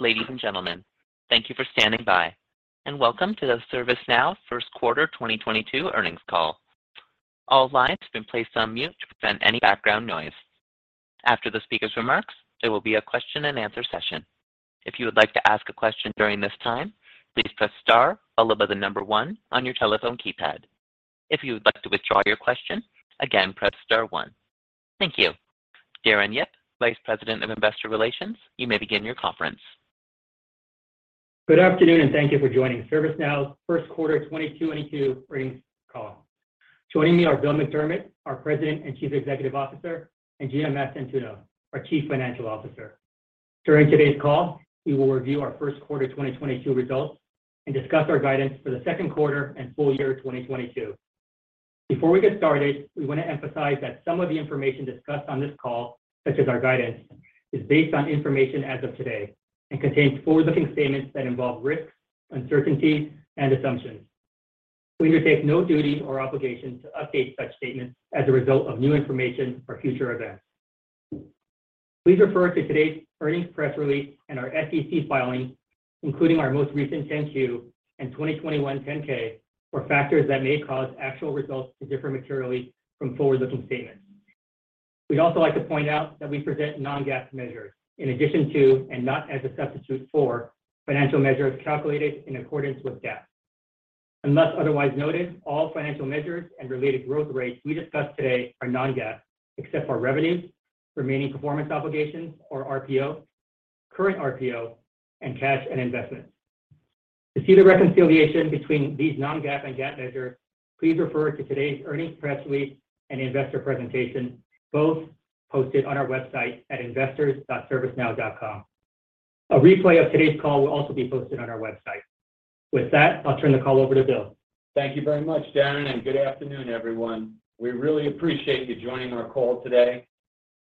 Ladies and gentlemen, thank you for standing by, and welcome to the ServiceNow first quarter 2022 earnings call. All lines have been placed on mute to prevent any background noise. After the speaker's remarks, there will be a question and answer session. If you would like to ask a question during this time, please press star followed by the number one on your telephone keypad. If you would like to withdraw your question, again, press star one. Thank you. Darren Yip, Vice President of Investor Relations, you may begin your conference. Good afternoon, and thank you for joining ServiceNow's first quarter 2022 earnings call. Joining me are Bill McDermott, our President and Chief Executive Officer, and Gina Mastantuono, our Chief Financial Officer. During today's call, we will review our first quarter 2022 results and discuss our guidance for the second quarter and full year 2022. Before we get started, we want to emphasize that some of the information discussed on this call, such as our guidance, is based on information as of today and contains forward-looking statements that involve risks, uncertainties, and assumptions. We undertake no duty or obligation to update such statements as a result of new information or future events. Please refer to today's earnings press release and our SEC filings, including our most recent 10-Q and 2021 10-K for factors that may cause actual results to differ materially from forward-looking statements. We'd also like to point out that we present non-GAAP measures in addition to and not as a substitute for financial measures calculated in accordance with GAAP. Unless otherwise noted, all financial measures and related growth rates we discuss today are non-GAAP, except for revenue, remaining performance obligations or RPO, current RPO, and cash and investments. To see the reconciliation between these non-GAAP and GAAP measures, please refer to today's earnings press release and investor presentation, both posted on our website at investors.servicenow.com. A replay of today's call will also be posted on our website. With that, I'll turn the call over to Bill. Thank you very much, Darren, and good afternoon, everyone. We really appreciate you joining our call today.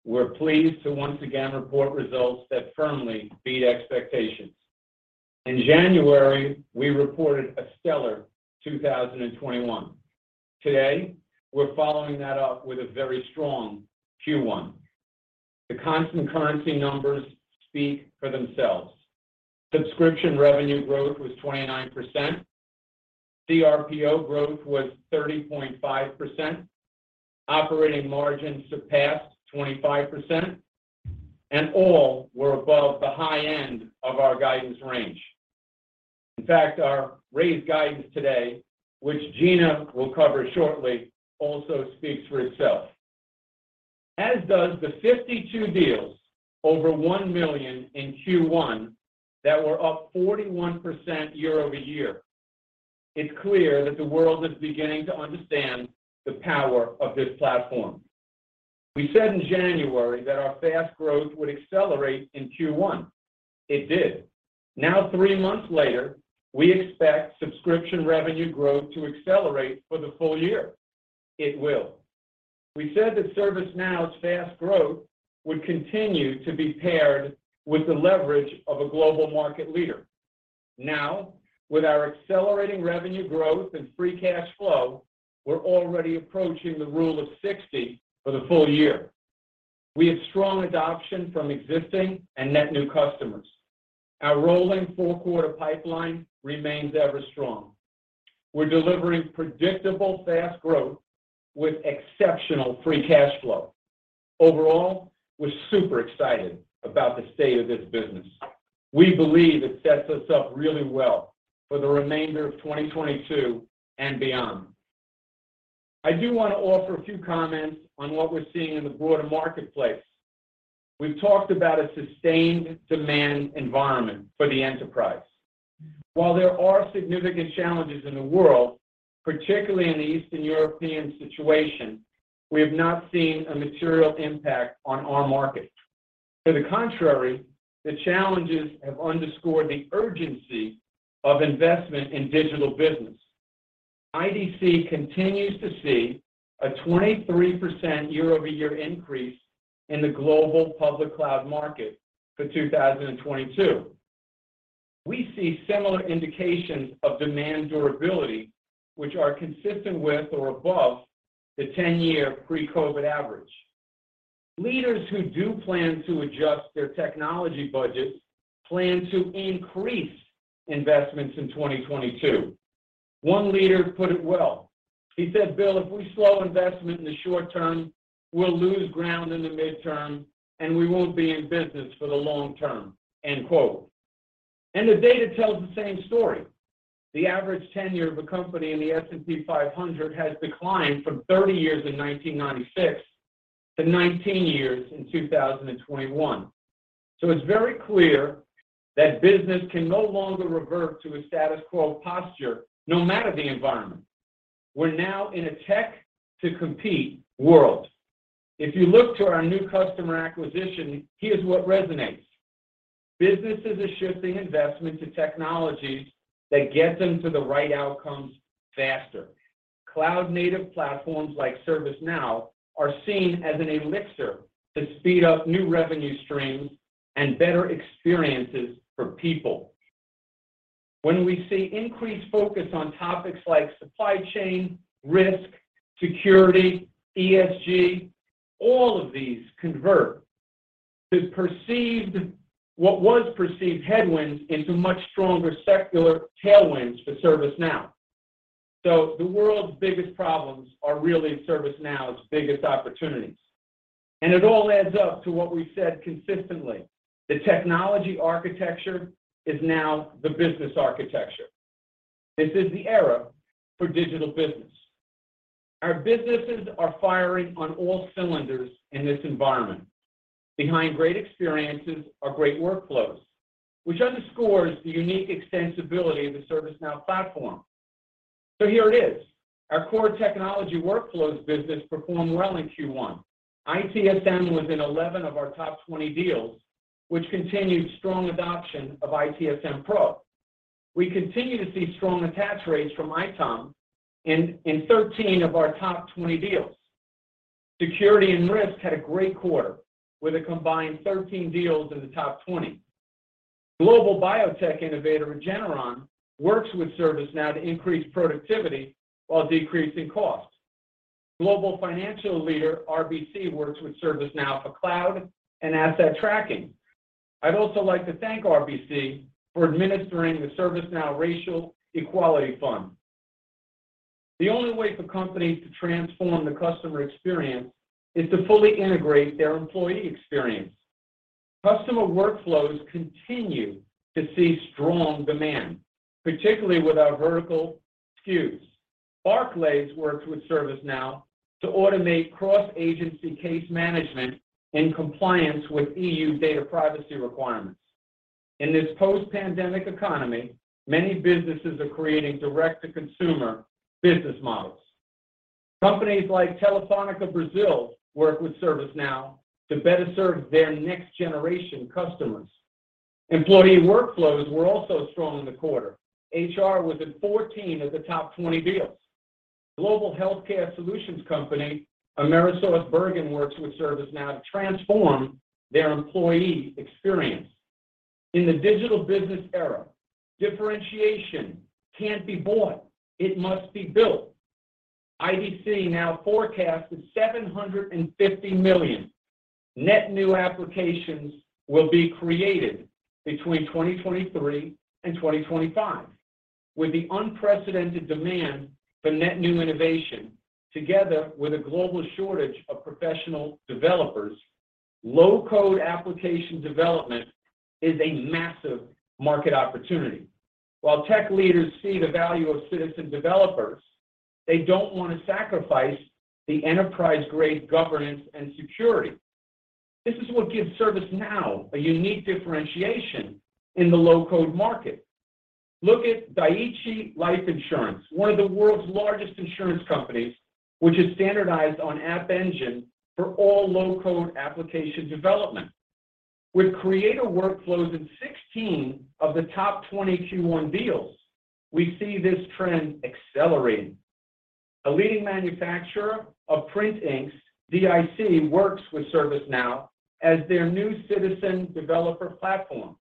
We're pleased to once again report results that firmly beat expectations. In January, we reported a stellar 2021. Today, we're following that up with a very strong Q1. The constant currency numbers speak for themselves. Subscription revenue growth was 29%. CRPO growth was 30.5%. Operating margins surpassed 25%, and all were above the high end of our guidance range. In fact, our raised guidance today, which Gina will cover shortly, also speaks for itself, as does the 52 deals over $1 million in Q1 that were up 41% year over year. It's clear that the world is beginning to understand the power of this platform. We said in January that our fast growth would accelerate in Q1. It did. Now, three months later, we expect subscription revenue growth to accelerate for the full year. It will. We said that ServiceNow's fast growth would continue to be paired with the leverage of a global market leader. Now, with our accelerating revenue growth and free cash flow, we're already approaching the rule of 60 for the full year. We have strong adoption from existing and net new customers. Our rolling four-quarter pipeline remains ever strong. We're delivering predictable fast growth with exceptional free cash flow. Overall, we're super excited about the state of this business. We believe it sets us up really well for the remainder of 2022 and beyond. I do want to offer a few comments on what we're seeing in the broader marketplace. We've talked about a sustained demand environment for the enterprise. While there are significant challenges in the world, particularly in the Eastern European situation, we have not seen a material impact on our market. To the contrary, the challenges have underscored the urgency of investment in digital business. IDC continues to see a 23% year-over-year increase in the global public cloud market for 2022. We see similar indications of demand durability, which are consistent with or above the 10-year pre-COVID average. Leaders who do plan to adjust their technology budgets plan to increase investments in 2022. One leader put it well. He said, "Bill, if we slow investment in the short term, we'll lose ground in the mid-term, and we won't be in business for the long term.". The data tells the same story. The average tenure of a company in the S&P 500 has declined from 30 years in 1996 to 19 years in 2021. It's very clear that business can no longer revert to a status quo posture no matter the environment. We're now in a tech to compete world. If you look to our new customer acquisition, here's what resonates. Businesses are shifting investment to technologies that get them to the right outcomes faster. Cloud-native platforms like ServiceNow are seen as an elixir to speed up new revenue streams and better experiences for people. When we see increased focus on topics like supply chain, risk, security, ESG, all of these convert the perceived, what was perceived headwinds into much stronger secular tailwinds for ServiceNow. The world's biggest problems are really ServiceNow's biggest opportunities. It all adds up to what we've said consistently. The technology architecture is now the business architecture. This is the era for digital business. Our businesses are firing on all cylinders in this environment. Behind great experiences are great workflows, which underscores the unique extensibility of the ServiceNow platform. Here it is. Our core technology workflows business performed well in Q1. ITSM was in 11 of our top 20 deals, which continued strong adoption of ITSM Pro. We continue to see strong attach rates from ITOM in 13 of our top 20 deals. Security and risk had a great quarter with a combined 13 deals in the top 20. Global biotech innovator Regeneron works with ServiceNow to increase productivity while decreasing costs. Global financial leader RBC works with ServiceNow for cloud and asset tracking. I'd also like to thank RBC for administering the ServiceNow Racial Equity Fund. The only way for companies to transform the customer experience is to fully integrate their employee experience. Customer workflows continue to see strong demand, particularly with our vertical SKUs. Barclays works with ServiceNow to automate cross-agency case management in compliance with EU data privacy requirements. In this post-pandemic economy, many businesses are creating direct-to-consumer business models. Companies like Telefónica Brasil Work with ServiceNow to better serve their next-generation customers. Employee workflows were also strong in the quarter. HR was in 14 of the top 20 deals. Global healthcare solutions company AmerisourceBergen works with ServiceNow to transform their employee experience. In the digital business era, differentiation can't be bought, it must be built. IDC now forecasts that 750 million net new applications will be created between 2023 and 2025. With the unprecedented demand for net new innovation, together with a global shortage of professional developers, low-code application development is a massive market opportunity. While tech leaders see the value of citizen developers, they don't wanna sacrifice the enterprise-grade governance and security. This is what gives ServiceNow a unique differentiation in the low-code market. Look at Dai-ichi Life Insurance, one of the world's largest insurance companies, which is standardized on App Engine for all low-code application development. With creator workflows in 16 of the top 20 Q1 deals, we see this trend accelerating. A leading manufacturer of print inks, DIC, works with ServiceNow as their new citizen developer platform,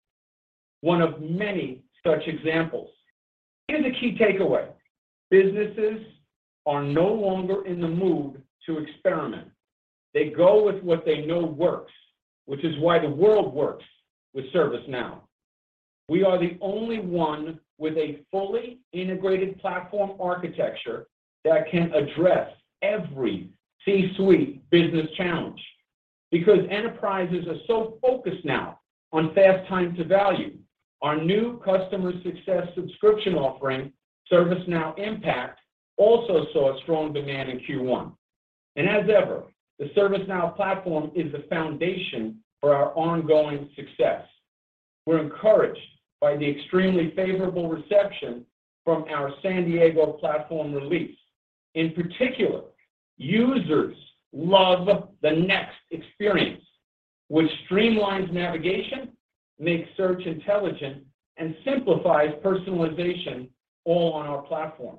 one of many such examples. Here's a key takeaway. Businesses are no longer in the mood to experiment. They go with what they know works, which is why the world works with ServiceNow. We are the only one with a fully integrated platform architecture that can address every C-suite business challenge. Because enterprises are so focused now on fast time to value, our new customer success subscription offering, ServiceNow Impact, also saw a strong demand in Q1. As ever, the ServiceNow platform is the foundation for our ongoing success. We're encouraged by the extremely favorable reception from our San Diego Platform Release. In particular, users love the next experience, which streamlines navigation, makes search intelligent, and simplifies personalization all on our platform.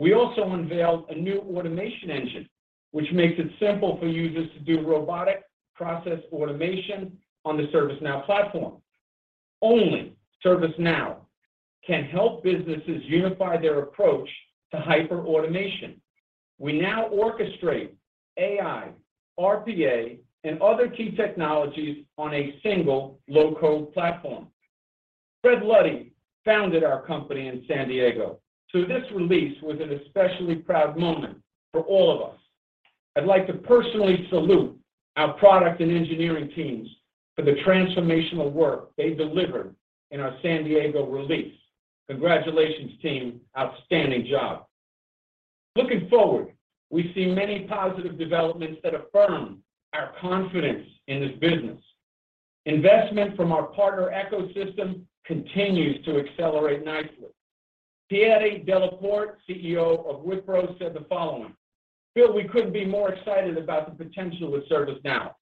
We also unveiled a new automation engine, which makes it simple for users to do robotic process automation on the ServiceNow platform. Only ServiceNow can help businesses unify their approach to hyper-automation. We now orchestrate AI, RPA, and other key technologies on a single low-code platform. Fred Luddy founded our company in San Diego, so this release was an especially proud moment for all of us. I'd like to personally salute our product and engineering teams for the transformational work they delivered in our San Diego release. Congratulations, team. Outstanding job. Looking forward, we see many positive developments that affirm our confidence in this business. Investment from our partner ecosystem continues to accelerate nicely. Thierry Delaporte, CEO of Wipro, said the following, "Bill, we couldn't be more excited about the potential with ServiceNow.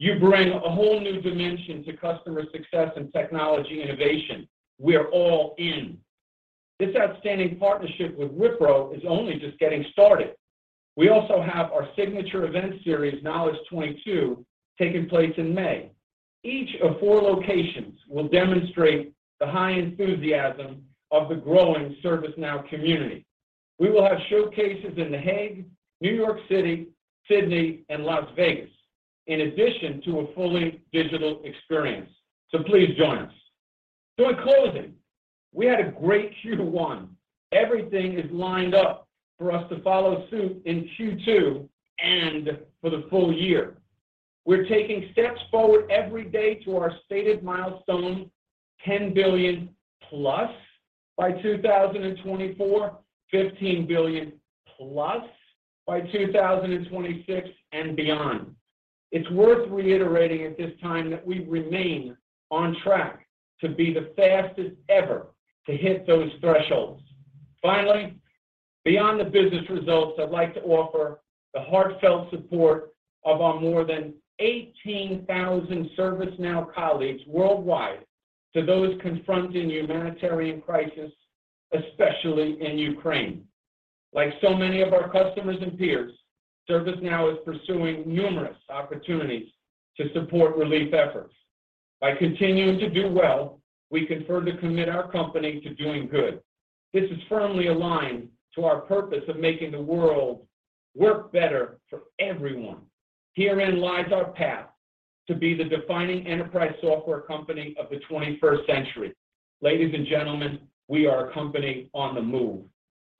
You bring a whole new dimension to customer success and technology innovation. We are all in." This outstanding partnership with Wipro is only just getting started. We also have our signature event series, Knowledge 22, taking place in May. Each of four locations will demonstrate the high enthusiasm of the growing ServiceNow community. We will have showcases in The Hague, New York City, Sydney, and Las Vegas, in addition to a fully digital experience. Please join us. In closing, we had a great Q1. Everything is lined up for us to follow suit in Q2 and for the full year. We're taking steps forward every day to our stated milestone, $10 billion+ by 2024, $15 billion+ by 2026 and beyond. It's worth reiterating at this time that we remain on track to be the fastest ever to hit those thresholds. Finally, beyond the business results, I'd like to offer the heartfelt support of our more than 18,000 ServiceNow colleagues worldwide to those confronting humanitarian crisis, especially in Ukraine. Like so many of our customers and peers, ServiceNow is pursuing numerous opportunities to support relief efforts. By continuing to do well, we confirm our commitment to doing good. This is firmly aligned to our purpose of making the world work better for everyone. Herein lies our path to be the defining enterprise software company of the 21st century. Ladies and gentlemen, we are a company on the move.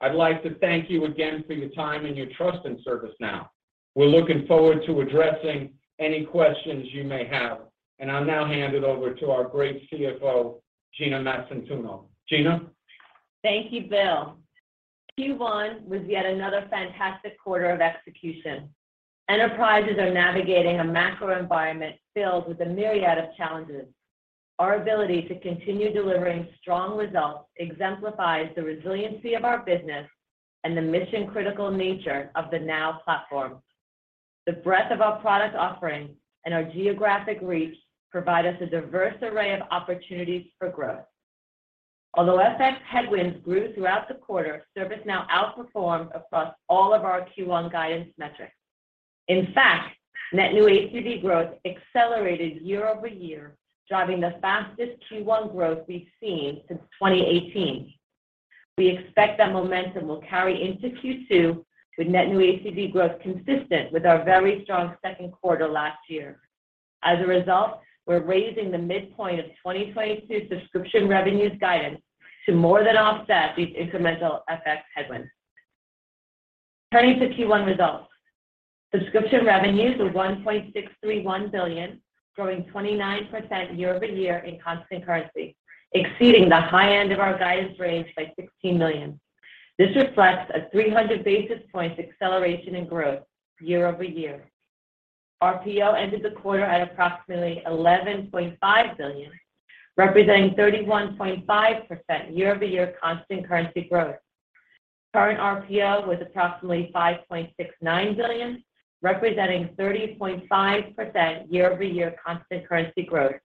I'd like to thank you again for your time and your trust in ServiceNow. We're looking forward to addressing any questions you may have, and I'll now hand it over to our great CFO, Gina Mastantuono. Gina? Thank you, Bill. Q1 was yet another fantastic quarter of execution. Enterprises are navigating a macro environment filled with a myriad of challenges. Our ability to continue delivering strong results exemplifies the resiliency of our business and the mission-critical nature of The Now Platform. The breadth of our product offerings and our geographic reach provide us a diverse array of opportunities for growth. Although FX headwinds grew throughout the quarter, ServiceNow outperformed across all of our Q1 guidance metrics. In fact, net new ACV growth accelerated year over year, driving the fastest Q1 growth we've seen since 2018. We expect that momentum will carry into Q2 with net new ACV growth consistent with our very strong second quarter last year. As a result, we're raising the midpoint of 2022 subscription revenues guidance to more than offset these incremental FX headwinds. Turning to Q1 results, subscription revenues of $1.631 billion, growing 29% year-over-year in constant currency, exceeding the high end of our guidance range by $16 million. This reflects a 300 basis points acceleration in growth year-over-year. RPO ended the quarter at approximately $11.5 billion, representing 31.5% year-over-year constant currency growth. Current RPO was approximately $5.69 billion, representing 30.5% year-over-year constant currency growth,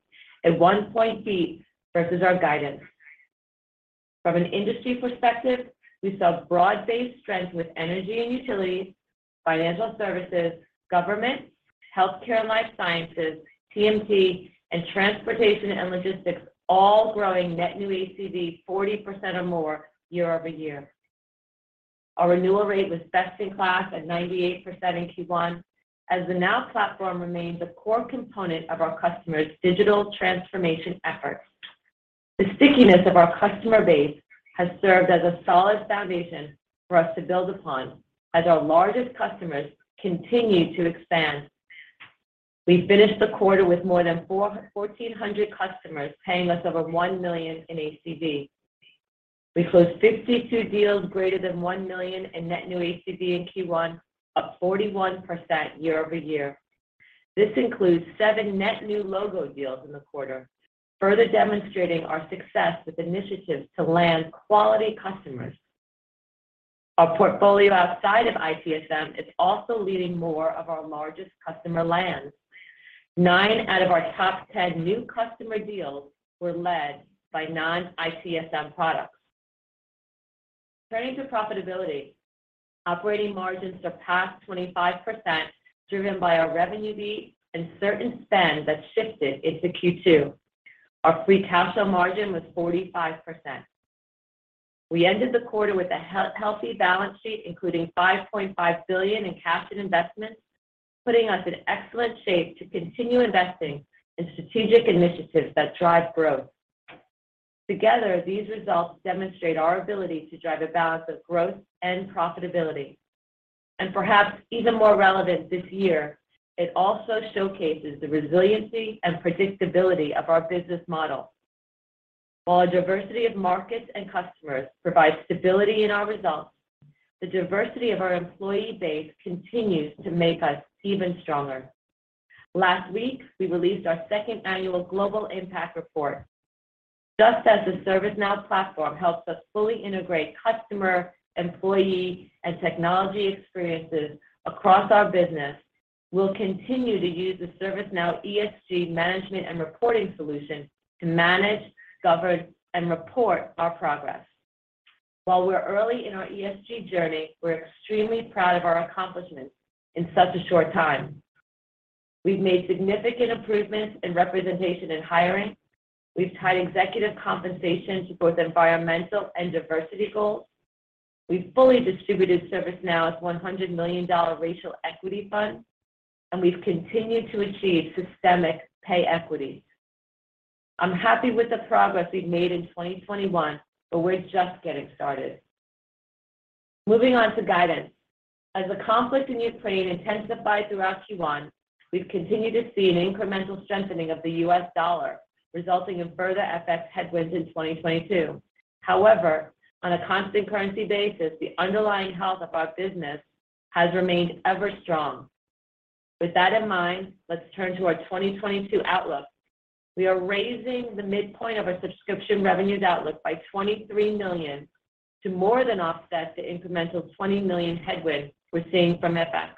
a one-point beat versus our guidance. From an industry perspective, we saw broad-based strength with energy and utilities, financial services, government, healthcare and life sciences, TMT, and transportation and logistics all growing net new ACV 40% or more year-over-year. Our renewal rate was best in class at 98% in Q1, as the Now Platform remains a core component of our customers' digital transformation efforts. The stickiness of our customer base has served as a solid foundation for us to build upon as our largest customers continue to expand. We finished the quarter with more than 1,400 customers paying us over $1 million in ACV. We closed 52 deals greater than $1 million in net new ACV in Q1, up 41% year-over-year. This includes seven net new logo deals in the quarter, further demonstrating our success with initiatives to land quality customers. Our portfolio outside of ITSM is also leading more of our largest customer lands. Nine out of our top 10 new customer deals were led by non-ITSM products. Turning to profitability, operating margins surpassed 25%, driven by our revenue beat and certain spend that shifted into Q2. Our free cash flow margin was 45%. We ended the quarter with a healthy balance sheet, including $5.5 billion in cash and investments, putting us in excellent shape to continue investing in strategic initiatives that drive growth. Together, these results demonstrate our ability to drive a balance of growth and profitability, and perhaps even more relevant this year, it also showcases the resiliency and predictability of our business model. While a diversity of markets and customers provide stability in our results, the diversity of our employee base continues to make us even stronger. Last week, we released our Second Annual Global Impact Report. Just as the ServiceNow platform helps us fully integrate customer, employee, and technology experiences across our business. We'll continue to use the ServiceNow ESG Management and Reporting solution to manage, govern, and report our progress. While we're early in our ESG journey, we're extremely proud of our accomplishments in such a short time. We've made significant improvements in representation and hiring. We've tied executive compensation to both environmental and diversity goals. We've fully distributed ServiceNow's $100 million Racial Equity Fund, and we've continued to achieve systemic pay equity. I'm happy with the progress we've made in 2021, but we're just getting started. Moving on to guidance. As the conflict in Ukraine intensified throughout Q1, we've continued to see an incremental strengthening of the U.S. dollar, resulting in further FX headwinds in 2022. However, on a constant currency basis, the underlying health of our business has remained ever strong. With that in mind, let's turn to our 2022 outlook. We are raising the midpoint of our subscription revenues outlook by $23 million to more than offset the incremental $20 million headwind we're seeing from FX,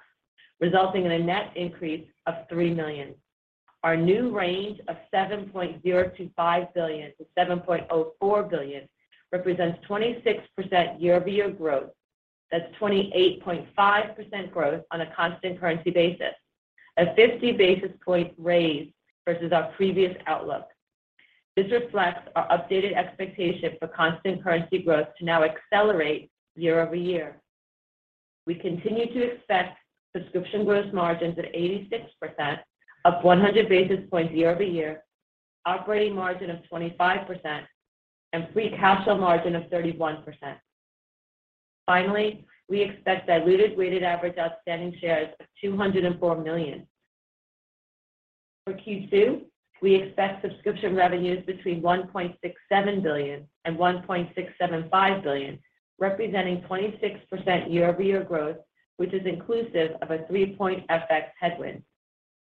resulting in a net increase of $3 million. Our new range of $7.025 billion-$7.04 billion represents 26% year-over-year growth. That's 28.5% growth on a constant currency basis. A 50 basis point raise versus our previous outlook. This reflects our updated expectation for constant currency growth to now accelerate year over year. We continue to expect subscription gross margins at 86%, up 100 basis points year over year, operating margin of 25%, and free cash flow margin of 31%. Finally, we expect diluted weighted average outstanding shares of 204 million. For Q2, we expect subscription revenues between $1.67 billion and $1.675 billion, representing 26% year-over-year growth, which is inclusive of a three-point FX headwind.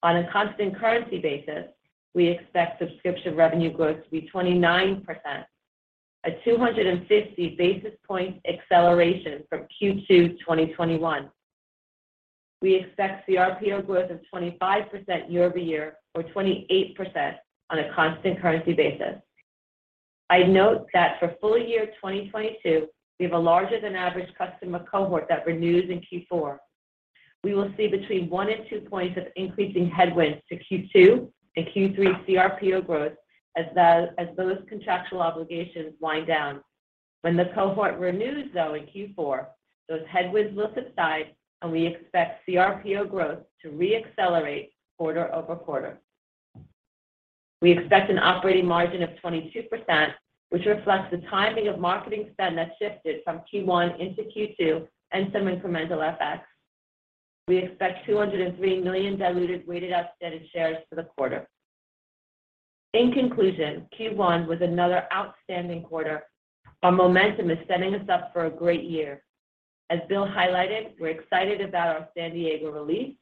On a constant currency basis, we expect subscription revenue growth to be 29%, a 250 basis point acceleration from Q2 2021. We expect CRPO growth of 25% year-over-year or 28% on a constant currency basis. I'd note that for full year 2022, we have a larger than average customer cohort that renews in Q4. We will see between one and two points of increasing headwind to Q2 and Q3 CRPO growth as those contractual obligations wind down. When the cohort renews though in Q4, those headwinds will subside, and we expect CRPO growth to re-accelerate quarter-over-quarter. We expect an operating margin of 22%, which reflects the timing of marketing spend that shifted from Q1 into Q2 and some incremental FX. We expect 203 million diluted weighted outstanding shares for the quarter. In conclusion, Q1 was another outstanding quarter. Our momentum is setting us up for a great year. As Bill highlighted, we're excited about our San Diego release.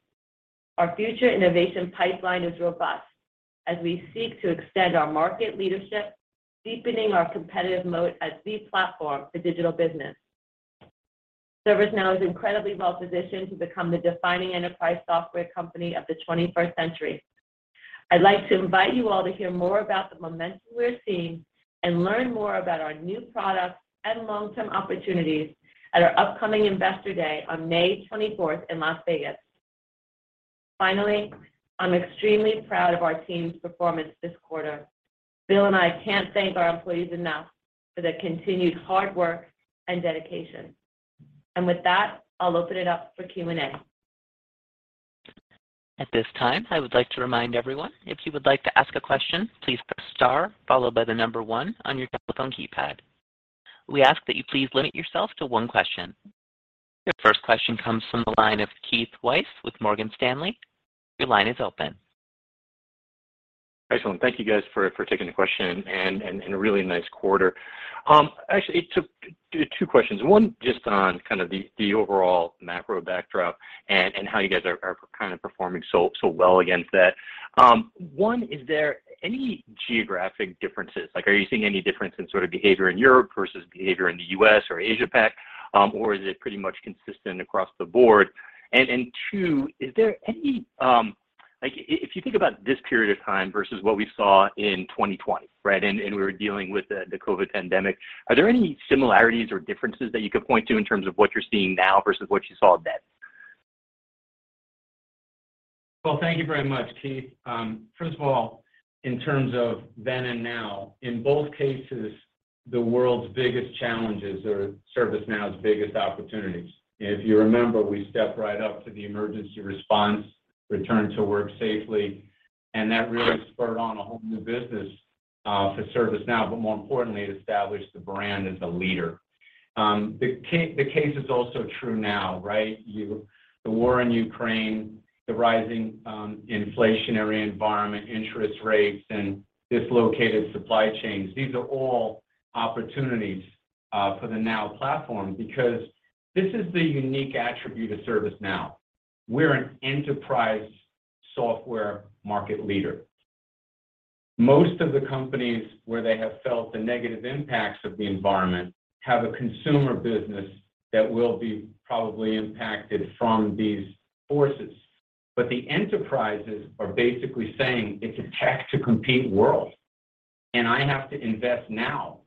Our future innovation pipeline is robust as we seek to extend our market leadership, deepening our competitive moat as the platform for digital business. ServiceNow is incredibly well-positioned to become the defining enterprise software company of the 21st century. I'd like to invite you all to hear more about the momentum we're seeing and learn more about our new products and long-term opportunities at our upcoming Investor Day on May 24th in Las Vegas. Finally, I'm extremely proud of our team's performance this quarter. Bill and I can't thank our employees enough for their continued hard work and dedication. With that, I'll open it up for Q&A. At this time, I would like to remind everyone, if you would like to ask a question, please press star followed by the number one on your telephone keypad. We ask that you please limit yourself to one question. Your first question comes from the line of Keith Weiss with Morgan Stanley. Your line is open. Excellent. Thank you guys for taking the question and a really nice quarter. Actually two questions. One, just on kind of the overall macro backdrop and how you guys are kind of performing so well against that. Is there any geographic differences? Like, are you seeing any difference in sort of behavior in Europe versus behavior in the U.S. or Asia PAC? Or is it pretty much consistent across the board? Two, is there any, like if you think about this period of time versus what we saw in 2020, right? We were dealing with the COVID pandemic. Are there any similarities or differences that you could point to in terms of what you're seeing now versus what you saw then? Well, thank you very much, Keith. First of all, in terms of then and now, in both cases, the world's biggest challenges are ServiceNow's biggest opportunities. If you remember, we stepped right up to the emergency response, return to work safely, and that really spurred on a whole new business for ServiceNow, but more importantly, it established the brand as a leader. The case is also true now, right? The war in Ukraine, the rising inflationary environment, interest rates, and dislocated supply chains, these are all opportunities for the Now Platform because this is the unique attribute of ServiceNow. We're an enterprise software market leader. Most of the companies where they have felt the negative impacts of the environment have a consumer business that will be probably impacted from these forces. The enterprises are basically saying it's a tech to compete world, and I have to invest now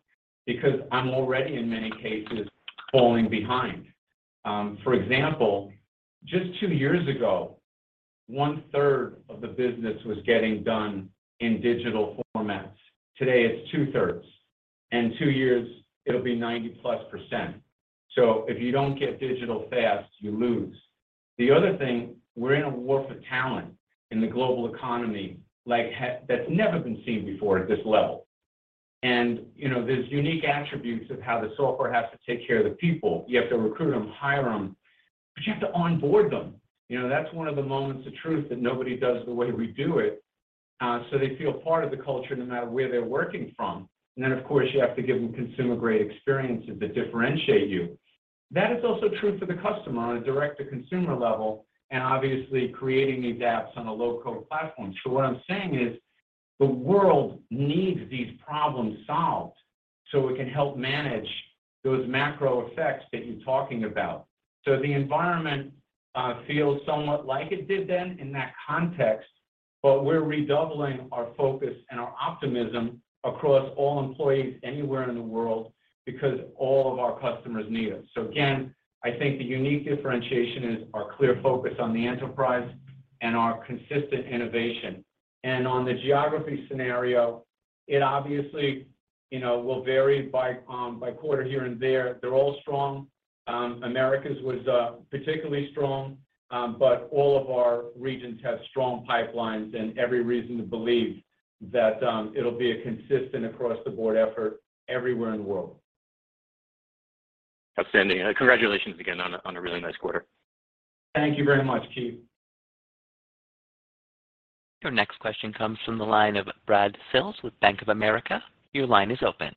because I'm already in many cases falling behind. For example, just two years ago, 1/3 of the business was getting done in digital formats. Today, it's 2/3. In two years, it'll be +90%. So if you don't get digital fast, you lose. The other thing, we're in a war for talent in the global economy like that's never been seen before at this level. You know, there's unique attributes of how the software has to take care of the people. You have to recruit them, hire them, but you have to onboard them. You know, that's one of the moments of truth that nobody does the way we do it, so they feel part of the culture no matter where they're working from. Of course, you have to give them consumer-grade experiences that differentiate you. That is also true for the customer on a direct-to-consumer level, and obviously creating these apps on a low-code platform. What I'm saying is the world needs these problems solved, so we can help manage those macro effects that you're talking about. The environment feels somewhat like it did then in that context, but we're redoubling our focus and our optimism across all employees anywhere in the world because all of our customers need us. Again, I think the unique differentiation is our clear focus on the enterprise and our consistent innovation. On the geography scenario, it obviously, you know, will vary by quarter here and there. They're all strong. Americas was particularly strong, but all of our regions have strong pipelines and every reason to believe that it'll be a consistent across-the-board effort everywhere in the world. Outstanding. Congratulations again on a really nice quarter. Thank you very much, Keith. Your next question comes from the line of Brad Sills with Bank of America. Your line is open.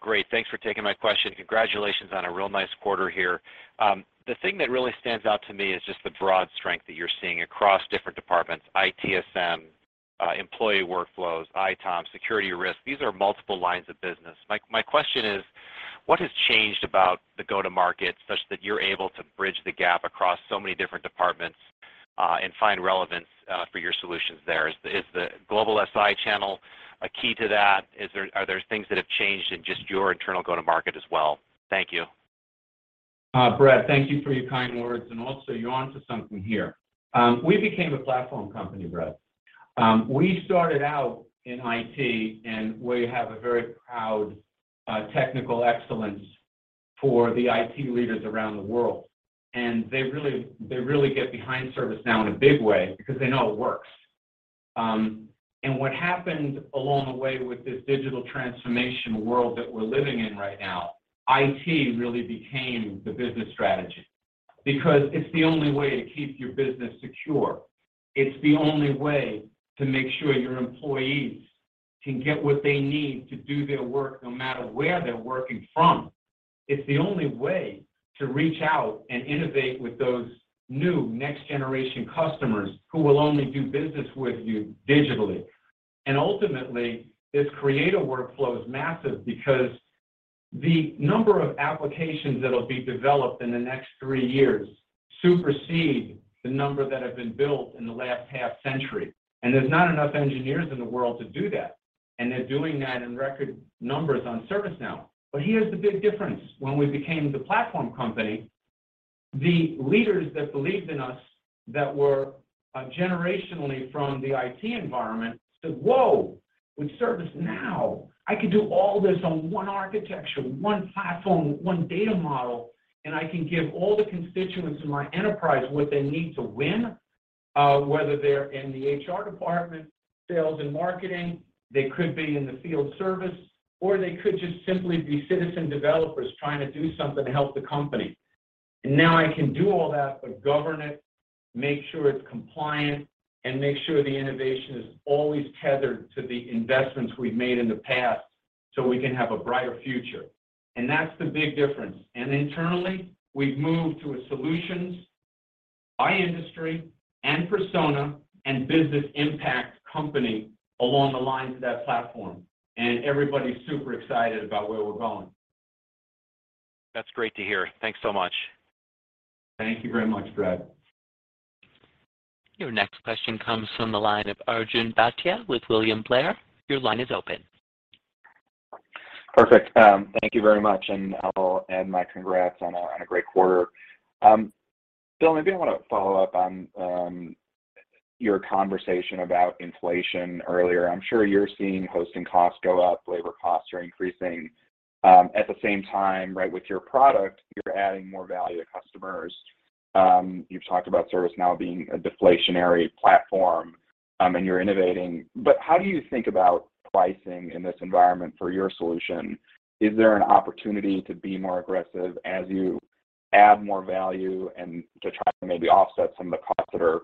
Great. Thanks for taking my question. Congratulations on a real nice quarter here. The thing that really stands out to me is just the broad strength that you're seeing across different departments, ITSM, employee workflows, ITOM, security risk. These are multiple lines of business. My question is, what has changed about the go-to-market such that you're able to bridge the gap across so many different departments, and find relevance, for your solutions there? Is the Global SI Channel a key to that? Are there things that have changed in just your internal go-to-market as well? Thank you. Brad, thank you for your kind words, and also you're onto something here. We became a platform company, Brad. We started out in IT, and we have a very proud technical excellence for the IT leaders around the world. They really get behind ServiceNow in a big way because they know it works. What happened along the way with this digital transformation world that we're living in right now, IT really became the business strategy because it's the only way to keep your business secure. It's the only way to make sure your employees can get what they need to do their work no matter where they're working from. It's the only way to reach out and innovate with those new next-generation customers who will only do business with you digitally. Ultimately, this create-a-workflow is massive because the number of applications that'll be developed in the next three years supersede the number that have been built in the last half-century. There's not enough engineers in the world to do that, and they're doing that in record numbers on ServiceNow. Here's the big difference. When we became the platform company, the leaders that believed in us that were generationally from the IT environment said, "Whoa, with ServiceNow, I can do all this on one architecture, one platform, one data model, and I can give all the constituents in my enterprise what they need to win, whether they're in the HR department, sales and marketing, they could be in the field service, or they could just simply be citizen developers trying to do something to help the company. Now I can do all that, but govern it, make sure it's compliant, and make sure the innovation is always tethered to the investments we've made in the past, so we can have a brighter future." That's the big difference. Internally, we've moved to a solutions by industry and persona and business impact company along the lines of that platform. Everybody's super excited about where we're going. That's great to hear. Thanks so much. Thank you very much, Brad. Your next question comes from the line of Arjun Bhatia with William Blair. Your line is open. Perfect. Thank you very much, and I'll add my congrats on a great quarter. Bill, maybe I want to follow up on your conversation about inflation earlier. I'm sure you're seeing hosting costs go up, labor costs are increasing. At the same time, right with your product, you're adding more value to customers. You've talked about ServiceNow being a deflationary platform, and you're innovating. But how do you think about pricing in this environment for your solution? Is there an opportunity to be more aggressive as you add more value and to try to maybe offset some of the costs that are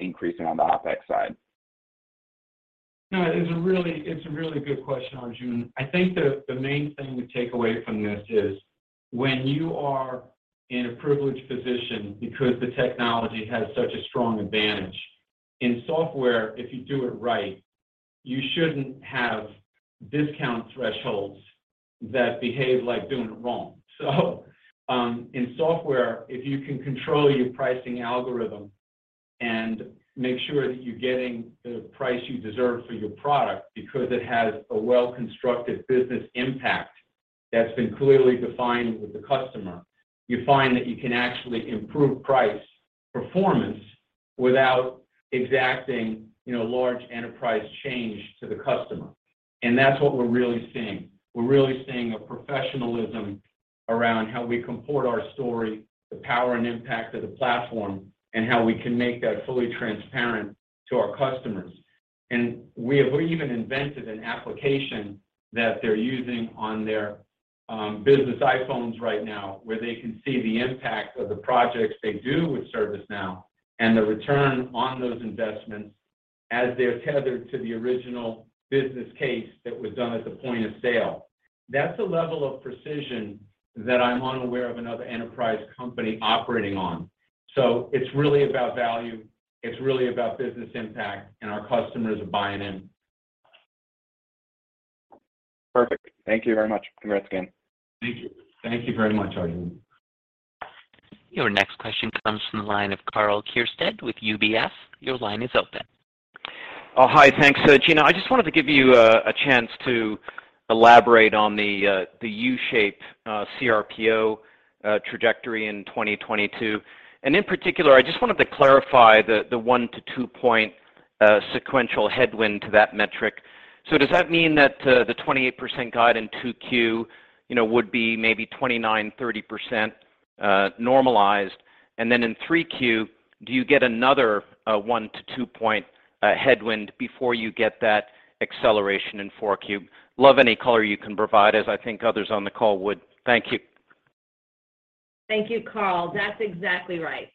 increasing on the OpEx side? No, it's a really good question, Arjun. I think the main thing we take away from this is when you are in a privileged position because the technology has such a strong advantage. In software, if you do it right, you shouldn't have discount thresholds that behave like doing it wrong. In software, if you can control your pricing algorithm and make sure that you're getting the price you deserve for your product because it has a well-constructed business impact that's been clearly defined with the customer, you find that you can actually improve price performance without exacting, you know, large enterprise change to the customer. That's what we're really seeing. We're really seeing a professionalism around how we comport our story, the power and impact of the platform, and how we can make that fully transparent to our customers. We have even invented an application that they're using on their business iPhones right now, where they can see the impact of the projects they do with ServiceNow and the return on those investments as they're tethered to the original business case that was done at the point of sale. That's a level of precision that I'm unaware of another enterprise company operating on. It's really about value, it's really about business impact, and our customers are buying in. Perfect. Thank you very much. Congrats again. Thank you. Thank you very much, Arjun. Your next question comes from the line of Karl Keirstead with UBS. Your line is open. Gina, I just wanted to give you a chance to elaborate on the U-shaped CRPO trajectory in 2022. In particular, I just wanted to clarify the one to two point sequential headwind to that metric. Does that mean that the 28% guide in 2Q, you know, would be maybe 29-30% normalized? Then in 3Q, do you get another one to two point headwind before you get that acceleration in 4Q? Love any color you can provide, as I think others on the call would. Thank you. Thank you, Karl. That's exactly right.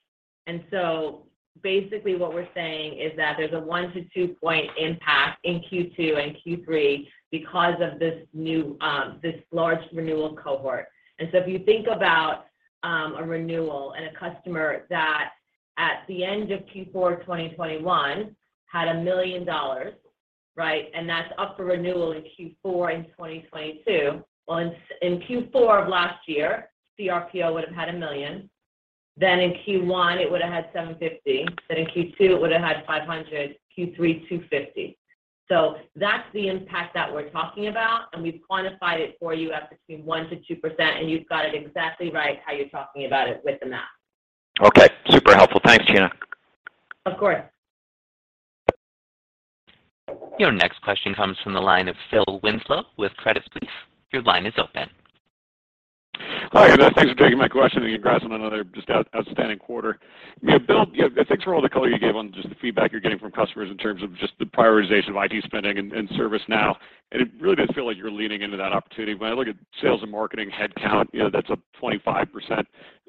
Basically what we're saying is that there's a one to two-point impact in Q2 and Q3 because of this new this large renewal cohort. If you think about a renewal and a customer that at the end of Q4 of 2021 had $1 million, right? That's up for renewal in Q4 in 2022. Well in Q4 of last year, CRPO would have had $1 million. Then in Q1, it would have had $750,000. Then in Q2, it would have had $500,000. Q3, $250,000. That's the impact that we're talking about, and we've quantified it for you at between 1%-2%, and you've got it exactly right how you're talking about it with the math. Okay. Super helpful. Thanks, Gina. Of course. Your next question comes from the line of Phil Winslow with Credit Suisse. Your line is open. Hi, guys. Thanks for taking my question, and congrats on another just outstanding quarter. Bill, thanks for all the color you gave on just the feedback you're getting from customers in terms of just the prioritization of IT spending and ServiceNow. It really does feel like you're leaning into that opportunity. When I look at sales and marketing headcount, you know, that's up 25%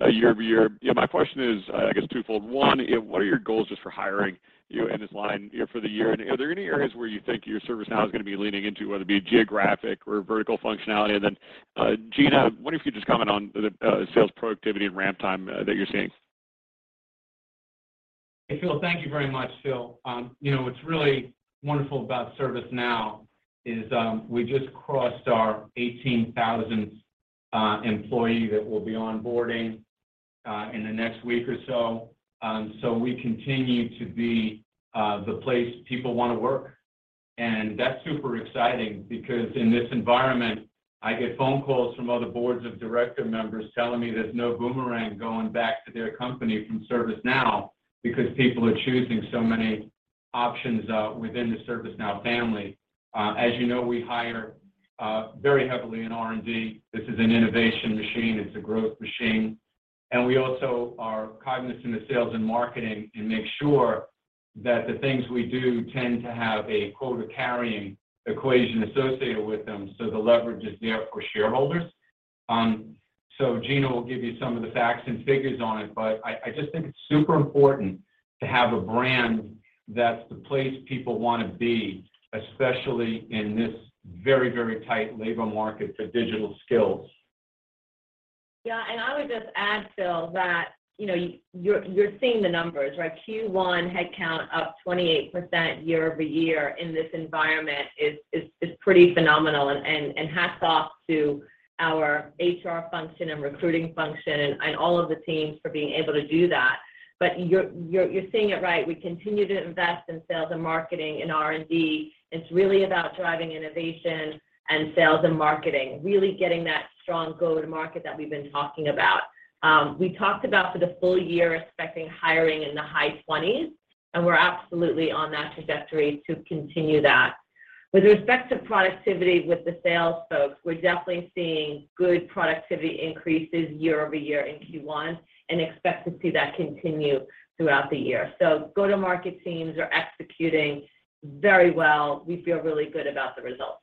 year-over-year. My question is, I guess, twofold. One, what are your goals just for hiring, you know, in this line, you know, for the year? And are there any areas where you think your ServiceNow is going to be leaning into, whether it be geographic or vertical functionality? And then, Gina, I wonder if you just comment on the sales productivity and ramp time that you're seeing. Hey, Phil. Thank you very much, Phil. You know, what's really wonderful about ServiceNow is, we just crossed our 18,000th employee that we'll be onboarding in the next week or so. We continue to be the place people wanna work. That's super exciting because in this environment, I get phone calls from other board of directors members telling me there's no boomerang going back to their company from ServiceNow because people are choosing so many options within the ServiceNow family. As you know, we hire very heavily in R&D. This is an innovation machine. It's a growth machine. We also are cognizant of sales and marketing and make sure that the things we do tend to have a quota-carrying equation associated with them, so the leverage is there for shareholders. Gina will give you some of the facts and figures on it, but I just think it's super important to have a brand that's the place people wanna be, especially in this very, very tight labor market for digital skills. Yeah. I would just add, Phil, that, you know, you're seeing the numbers, right? Q1 headcount up 28% year-over-year in this environment is pretty phenomenal and hats off to our HR function and recruiting function and all of the teams for being able to do that. You're seeing it right. We continue to invest in sales and marketing and R&D. It's really about driving innovation and sales and marketing, really getting that strong go-to-market that we've been talking about. We talked about for the full year expecting hiring in the high twenties, and we're absolutely on that trajectory to continue that. With respect to productivity with the sales folks, we're definitely seeing good productivity increases year-over-year in Q1 and expect to see that continue throughout the year. Go-to-market teams are executing very well. We feel really good about the results.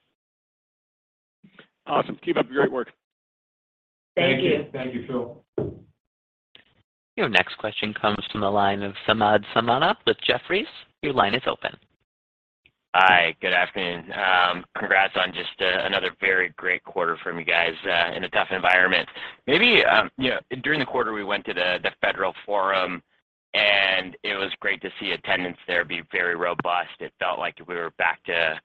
Awesome. Keep up the great work. Thank you. Thank you. Thank you, Phil. Your next question comes from the line of Samad Samana with Jefferies. Your line is open. Hi. Good afternoon. Congrats on just another very great quarter from you guys in a tough environment. Maybe you know, during the quarter, we went to the Federal Forum, and it was great to see attendance there be very robust. It felt like we were back to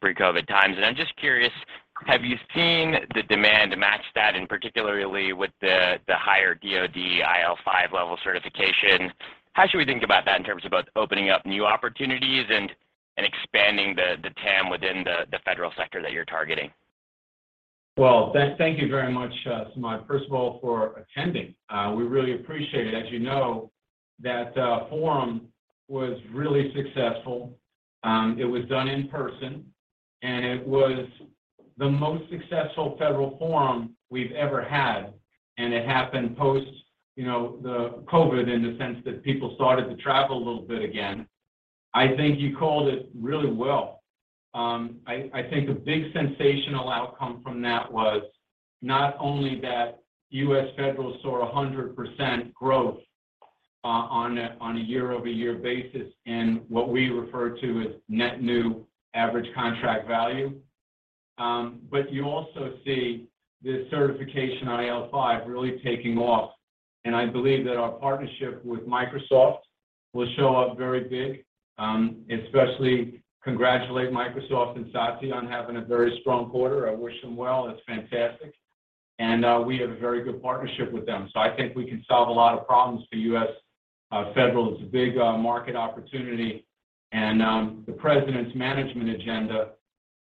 pre-COVID times. I'm just curious, have you seen the demand match that, and particularly with the higher DoD IL5 level certification? How should we think about that in terms of both opening up new opportunities and expanding the TAM within the federal sector that you're targeting? Well, thank you very much, Samad, first of all, for attending. We really appreciate it. As you know, that forum was really successful. It was done in person, and it was the most successful Federal fForum we've ever had, and it happened post, you know, the COVID in the sense that people started to travel a little bit again. I think you called it really well. I think a big sensational outcome from that was not only that U.S. Federal saw 100% growth on a year-over-year basis in what we refer to as net new average contract value, but you also see the certification on IL5 really taking off. I believe that our partnership with Microsoft will show up very big, especially congratulate Microsoft and Satya on having a very strong quarter. I wish them well. It's fantastic. We have a very good partnership with them. I think we can solve a lot of problems for U.S. Federal. It's a big market opportunity and the president's management agenda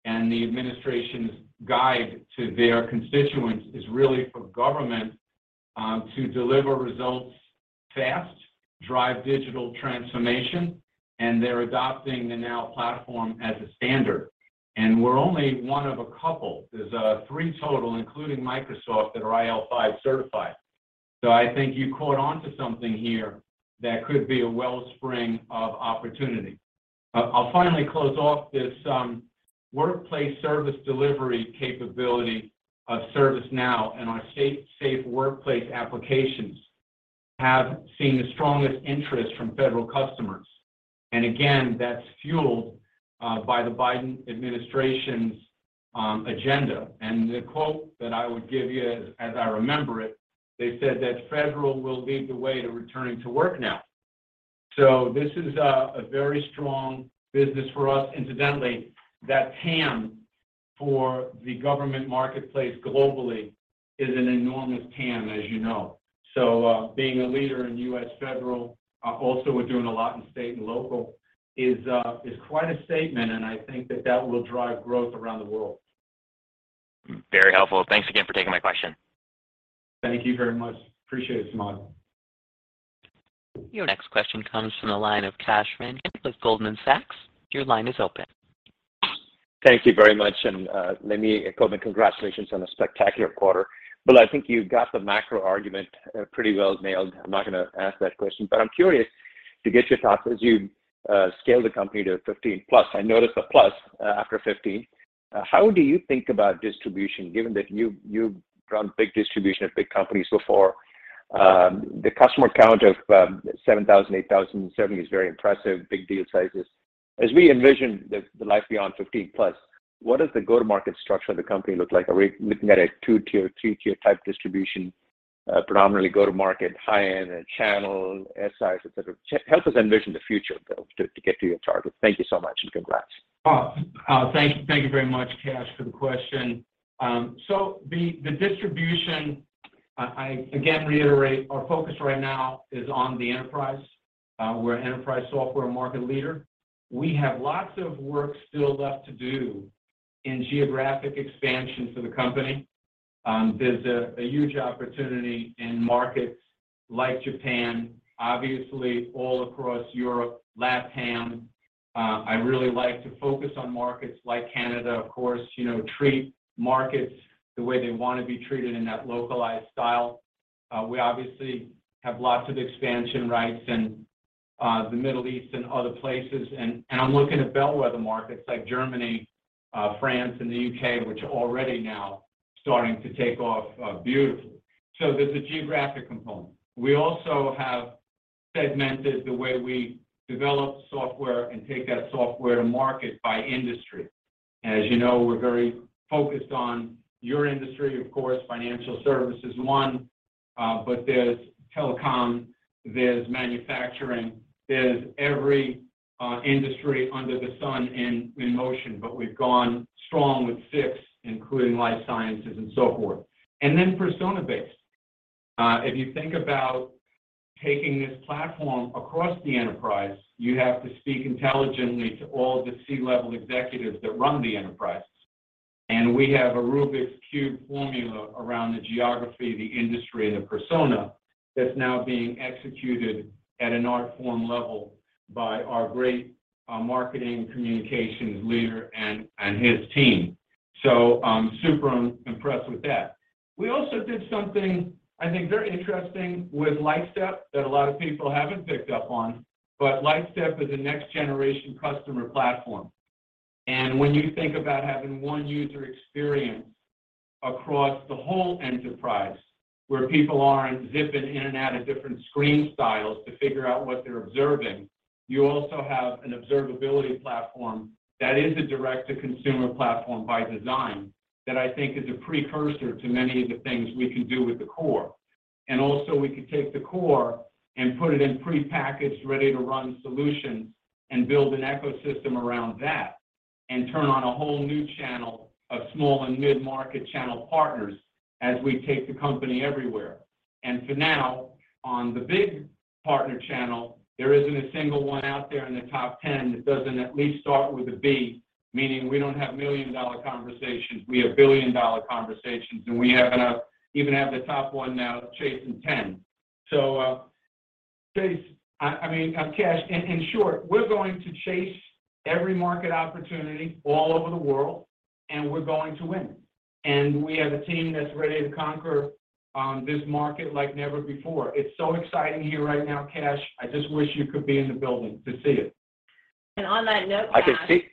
and the administration's guide to their constituents is really for government to deliver results fast, drive digital transformation, and they're adopting the Now Platform as a standard. We're only one of a couple. There's three total, including Microsoft, that are IL5 certified. I think you caught on to something here that could be a wellspring of opportunity. I'll finally close off this workplace service delivery capability of ServiceNow, and our safe workplace applications have seen the strongest interest from federal customers. Again, that's fueled by the Biden administration's agenda. The quote that I would give you as I remember it, they said that, "Federal will lead the way to returning to work now." This is a very strong business for us. Incidentally, that TAM for the government marketplace globally is an enormous TAM, as you know. Being a leader in U.S. Federal, also we're doing a lot in state and local, is quite a statement, and I think that will drive growth around the world. Very helpful. Thanks again for taking my question. Thank you very much. Appreciate it, Samad. Your next question comes from the line of Kash Rangan with Goldman Sachs. Your line is open. Thank you very much, let me open with congratulations on a spectacular quarter. Bill, I think you got the macro argument pretty well nailed. I'm not gonna ask that question. I'm curious to get your thoughts as you scale the company to 15+. I noticed a plus after 15. How do you think about distribution, given that you have run big distribution at big companies before? The customer count of 7,000, 8,000 certainly is very impressive, big deal sizes. As we envision the life beyond 15+, what does the go-to-market structure of the company look like? Are we looking at a two-tier, three-tier type distribution, predominantly go to market, high-end and channel, SI, et cetera? Help us envision the future, Bill, to get to your target. Thank you so much, and congrats. Thank you. Thank you very much, Kash, for the question. The distribution, I again reiterate our focus right now is on the enterprise. We're an enterprise software market leader. We have lots of work still left to do in geographic expansion for the company. There's a huge opportunity in markets like Japan, obviously all across Europe, LATAM. I really like to focus on markets like Canada, of course, you know, treat markets the way they wanna be treated in that localized style. We obviously have lots of expansion rights in the Middle East and other places. I'm looking at bellwether markets like Germany, France and the U.K., which are already now starting to take off beautifully. There's a geographic component. We also have segmented the way we develop software and take that software to market by industry. As you know, we're very focused on your industry, of course, financial services one, but there's telecom, there's manufacturing, there's every industry under the sun in motion. We've gone strong with six, including life sciences and so forth. Persona-based. If you think about taking this platform across the enterprise, you have to speak intelligently to all the C-level executives that run the enterprise. We have a Rubik's Cube formula around the geography, the industry and the persona that's now being executed at an art form level by our great marketing communications leader and his team. I'm super impressed with that. We also did something I think very interesting with Lightstep that a lot of people haven't picked up on, but Lightstep is a next generation customer platform. When you think about having one user experience across the whole enterprise where people aren't zipping in and out of different screen styles to figure out what they're observing. You also have an observability platform that is a direct-to-consumer platform by design that I think is a precursor to many of the things we can do with the core. We could take the core and put it in prepackaged, ready-to-run solutions and build an ecosystem around that and turn on a whole new channel of small and mid-market channel partners as we take the company everywhere. For now, on the big partner channel, there isn't a single one out there in the top 10 that doesn't at least start with a B, meaning we don't have million-dollar conversations, we have billion-dollar conversations, and we even have the top one now chasing 10. Kash, in short, we're going to chase every market opportunity all over the world, and we're going to win. We have a team that's ready to conquer this market like never before. It's so exciting here right now, Kash. I just wish you could be in the building to see it. On that note, Kash. I can see.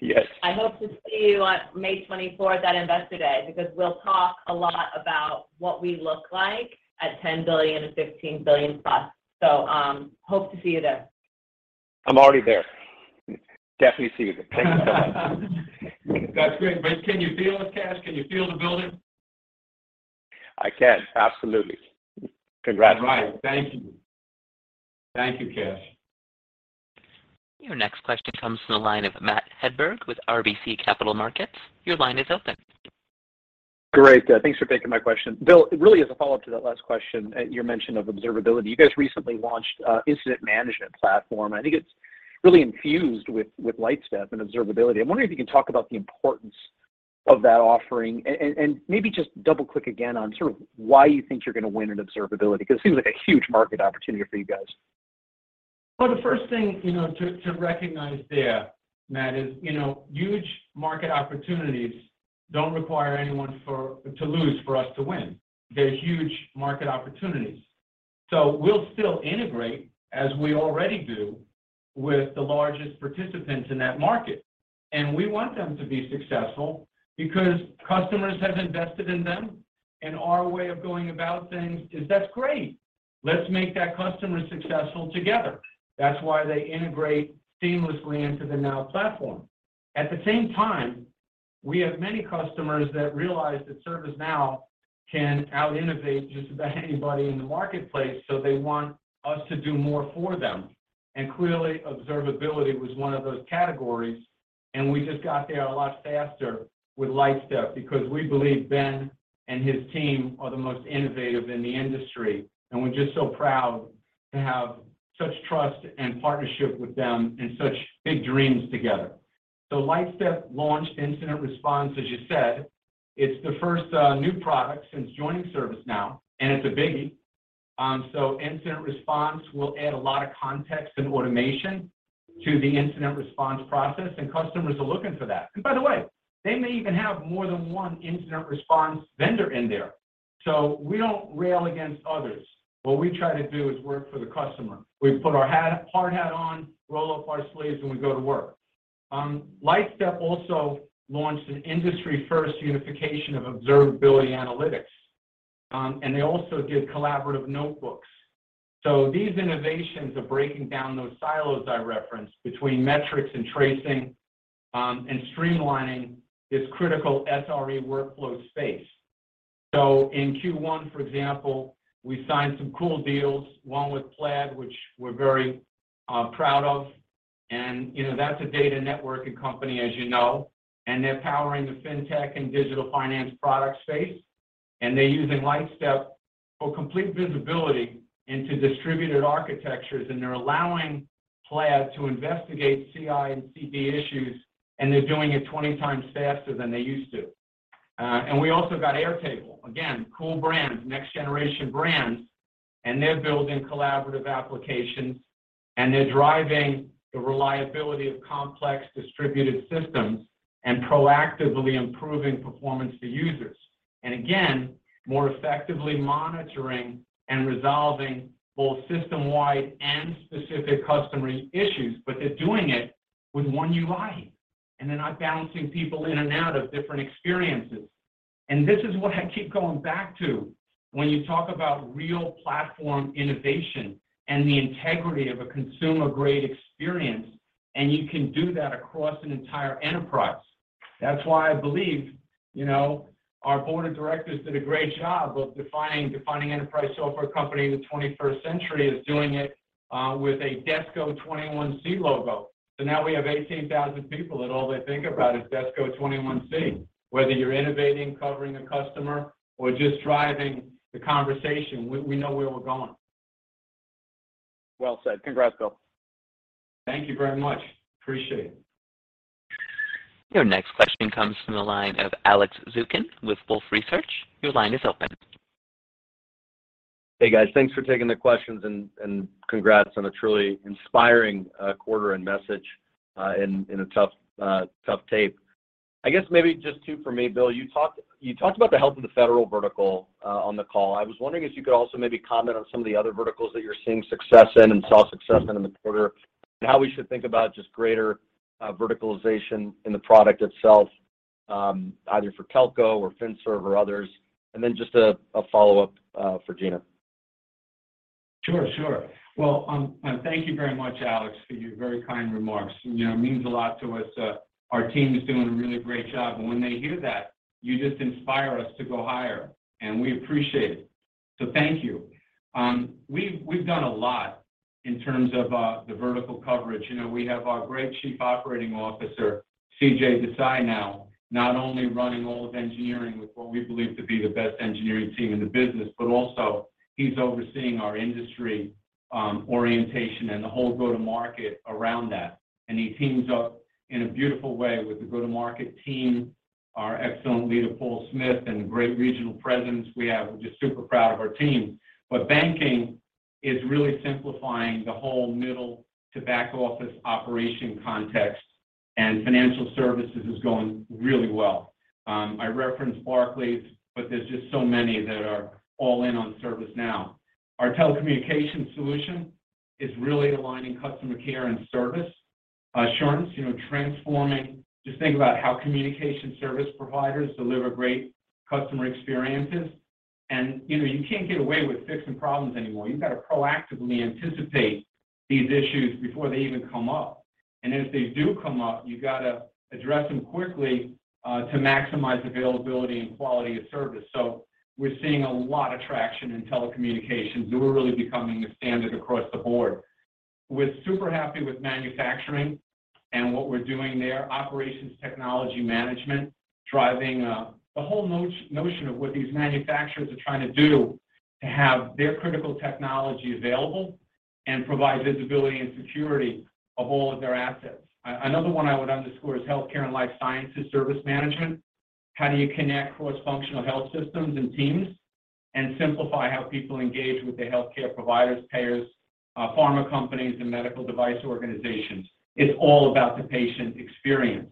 Yes. I hope to see you on May 24th at Investor Day because we'll talk a lot about what we look like at +$10 billion and +$15 billion. Hope to see you there. I'm already there. Definitely see you there. Thank you so much. That's great. Can you feel it, Kash? Can you feel the building? I can, absolutely. Congratulations. All right. Thank you. Thank you, Kash. Your next question comes from the line of Matt Hedberg with RBC Capital Markets. Your line is open. Great. Thanks for taking my question. Bill, it really is a follow-up to that last question, your mention of observability. You guys recently launched an incident management platform, and I think it's really infused with Lightstep and observability. I'm wondering if you can talk about the importance of that offering and maybe just double-click again on sort of why you think you're gonna win in observability, 'cause it seems like a huge market opportunity for you guys. Well, the first thing, you know, to recognize there, Matt, is, you know, huge market opportunities don't require anyone to lose for us to win. They're huge market opportunities. We'll still integrate, as we already do, with the largest participants in that market. We want them to be successful because customers have invested in them, and our way of going about things is, that's great. Let's make that customer successful together. That's why they integrate seamlessly into the Now Platform. At the same time, we have many customers that realize that ServiceNow can out-innovate just about anybody in the marketplace, so they want us to do more for them. Clearly, observability was one of those categories, and we just got there a lot faster with Lightstep because we believe Ben and his team are the most innovative in the industry. We're just so proud to have such trust and partnership with them and such big dreams together. Lightstep launched Incident Response, as you said. It's the first new product since joining ServiceNow, and it's a biggie. Incident Response will add a lot of context and automation to the incident response process, and customers are looking for that. By the way, they may even have more than one incident response vendor in there. We don't rail against others. What we try to do is work for the customer. We put our hard hat on, roll up our sleeves, and we go to work. Lightstep also launched an industry-first unification of Observability Analytics. They also did collaborative notebooks. These innovations are breaking down those silos I referenced between metrics and tracing and streamlining this critical SRE workflow space. In Q1, for example, we signed some cool deals, one with Plaid, which we're very proud of. You know, that's a data networking company, as you know, and they're powering the fintech and digital finance product space. They're using Lightstep for complete visibility into distributed architectures, and they're allowing Plaid to investigate CI and CD issues, and they're doing it 20 times faster than they used to. We also got Airtable, again, cool brands, next generation brands, and they're building collaborative applications, and they're driving the reliability of complex distributed systems and proactively improving performance to users. Again, more effectively monitoring and resolving both system-wide and specific customer issues. They're doing it with one UI, and they're not bouncing people in and out of different experiences. This is what I keep going back to when you talk about real platform innovation and the integrity of a consumer-grade experience, and you can do that across an entire enterprise. That's why I believe, you know, our board of directors did a great job of defining enterprise software company in the twenty-first century as doing it with a DESCO 21C Logo. Now we have 18,000 people, and all they think about is DESCO 21C. Whether you're innovating, covering a customer, or just driving the conversation, we know where we're going. Well said. Congrats, Bill. Thank you very much. Appreciate it. Your next question comes from the line of Alex Zukin with Wolfe Research. Your line is open. Hey, guys. Thanks for taking the questions and congrats on a truly inspiring quarter and message in a tough tape. I guess maybe just two for me, Bill. You talked about the health of the federal vertical on the call. I was wondering if you could also maybe comment on some of the other verticals that you're seeing success in and saw success in the quarter and how we should think about just greater verticalization in the product itself, either for telco or finServ or others. Then just a follow-up for Gina. Sure, sure. Well, thank you very much, Alex, for your very kind remarks. You know, it means a lot to us. Our team is doing a really great job, and when they hear that, you just inspire us to go higher, and we appreciate it. Thank you. We've done a lot in terms of the vertical coverage. You know, we have our great Chief Operating Officer, CJ Desai, now not only running all of engineering with what we believe to be the best engineering team in the business, but also he's overseeing our industry orientation and the whole go-to-market around that. He teams up in a beautiful way with the go-to-market team, our excellent leader, Paul Smith, and great regional presence we have. We're just super proud of our team. Banking is really simplifying the whole middle to back office operation context, and financial services is going really well. I referenced Barclays, but there's just so many that are all in on ServiceNow. Our telecommunications solution is really aligning customer care and service assurance, you know, transforming. Just think about how communication service providers deliver great customer experiences. You know, you can't get away with fixing problems anymore. You've got to proactively anticipate these issues before they even come up. If they do come up, you've got to address them quickly to maximize availability and quality of service. We're seeing a lot of traction in telecommunications, and we're really becoming the standard across the board. We're super happy with manufacturing and what we're doing there. Operations technology management, driving the whole notion of what these manufacturers are trying to do to have their critical technology available and provide visibility and security of all of their assets. Another one I would underscore is healthcare and life sciences service management. How do you connect cross-functional health systems and teams and simplify how people engage with their healthcare providers, payers, pharma companies, and medical device organizations? It's all about the patient experience.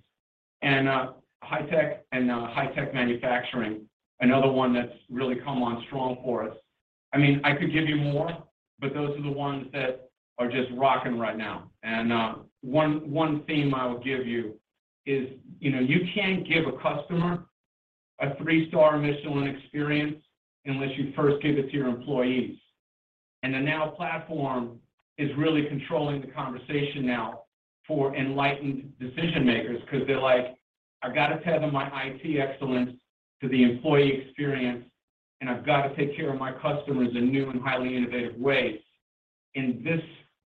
High tech and high tech manufacturing, another one that's really come on strong for us. I mean, I could give you more, but those are the ones that are just rocking right now. One theme I would give you is, you know, you can't give a customer a three-star Michelin experience unless you first give it to your employees. The Now Platform is really controlling the conversation now for enlightened decision-makers because they're like, "I've got to tether my IT excellence to the employee experience, and I've got to take care of my customers in new and highly innovative ways." This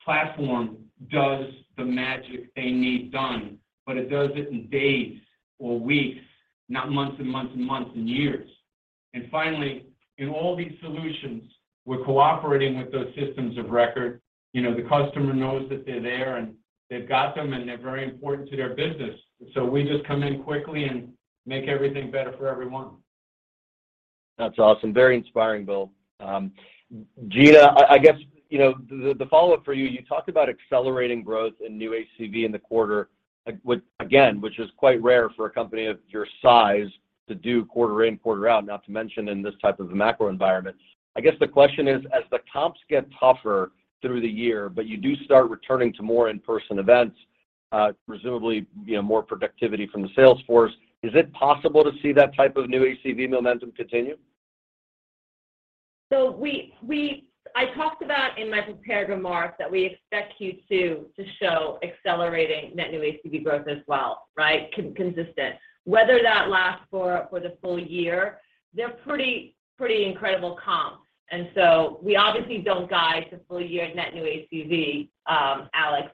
platform does the magic they need done, but it does it in days or weeks, not months and months and months, and years. Finally, in all these solutions, we're cooperating with those systems of record. You know, the customer knows that they're there, and they've got them, and they're very important to their business. We just come in quickly and make everything better for everyone. That's awesome. Very inspiring, Bill. Gina, I guess, you know, the follow-up for you talked about accelerating growth in new ACV in the quarter, which, again, is quite rare for a company of your size to do quarter in, quarter out, not to mention in this type of a macro environment. I guess the question is, as the comps get tougher through the year, but you do start returning to more in-person events, presumably, you know, more productivity from the sales force, is it possible to see that type of new ACV momentum continue? I talked about in my prepared remarks that we expect Q2 to show accelerating net new ACV growth as well, right? Consistent. Whether that lasts for the full year, they're pretty incredible comps. We obviously don't guide to full year net new ACV, Alex.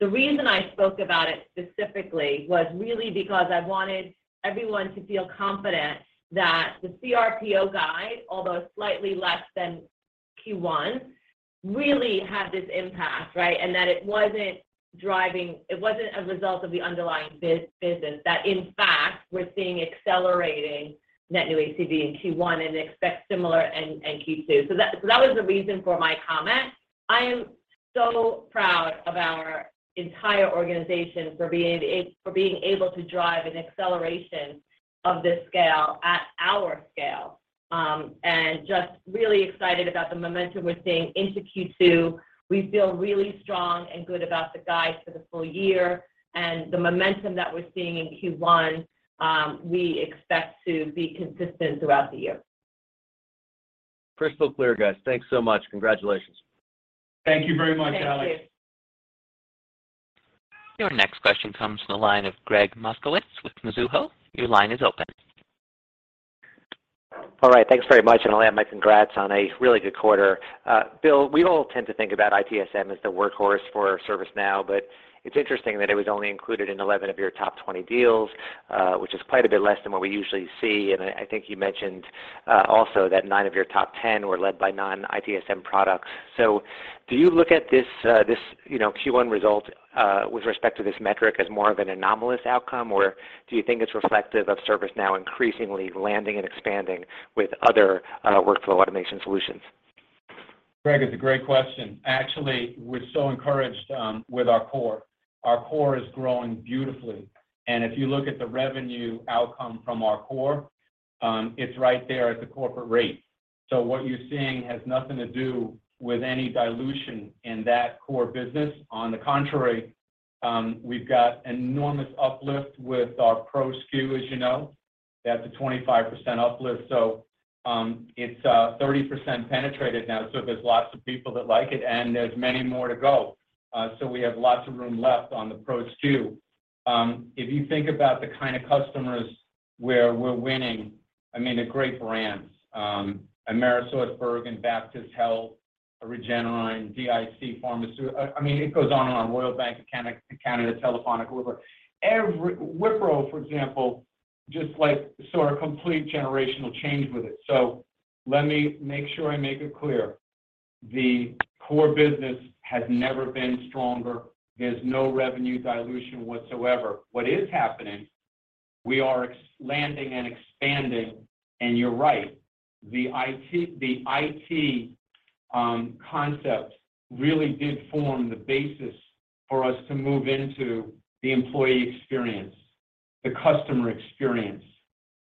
The reason I spoke about it specifically was really because I wanted everyone to feel confident that the CRPO guide, although slightly less than Q1, really had this impact, right? And that it wasn't driving. It wasn't a result of the underlying business. That in fact, we're seeing accelerating net new ACV in Q1 and expect similar in Q2. That was the reason for my comment. I am so proud of our entire organization for being able to drive an acceleration of this scale at our scale, and just really excited about the momentum we're seeing into Q2. We feel really strong and good about the guide for the full year, and the momentum that we're seeing in Q1, we expect to be consistent throughout the year. Crystal clear, guys. Thanks so much. Congratulations. Thank you very much, Alex. Thank you. Your next question comes from the line of Gregg Moskowitz with Mizuho. Your line is open. All right. Thanks very much, and I'll add my congrats on a really good quarter. Bill, we all tend to think about ITSM as the workhorse for ServiceNow, but it's interesting that it was only included in 11 of your top 20 deals, which is quite a bit less than what we usually see. I think you mentioned also that nine of your top 10 were led by non-ITSM products. Do you look at this, you know, Q1 result with respect to this metric as more of an anomalous outcome, or do you think it's reflective of ServiceNow increasingly landing and expanding with other workflow automation solutions? Gregg, it's a great question. Actually, we're so encouraged with our core. Our core is growing beautifully. If you look at the revenue outcome from our core, it's right there at the corporate rate. So what you're seeing has nothing to do with any dilution in that core business. On the contrary, we've got enormous uplift with our Pro SKU, as you know. That's a 25% uplift. So, it's 30% penetrated now, so there's lots of people that like it, and there's many more to go. So we have lots of room left on the Pro SKU. If you think about the kind of customers where we're winning, I mean, they're great brands. AmerisourceBergen, Baptist Health, Regeneron, DIC Corporation. I mean, it goes on and on, Royal Bank of Canada, Telefónica, Wipro. Wipro, for example, just saw a complete generational change with it. Let me make sure I make it clear. The core business has never been stronger. There's no revenue dilution whatsoever. What is happening, we are landing and expanding, and you're right, the IT concept really did form the basis for us to move into the employee experience, the customer experience,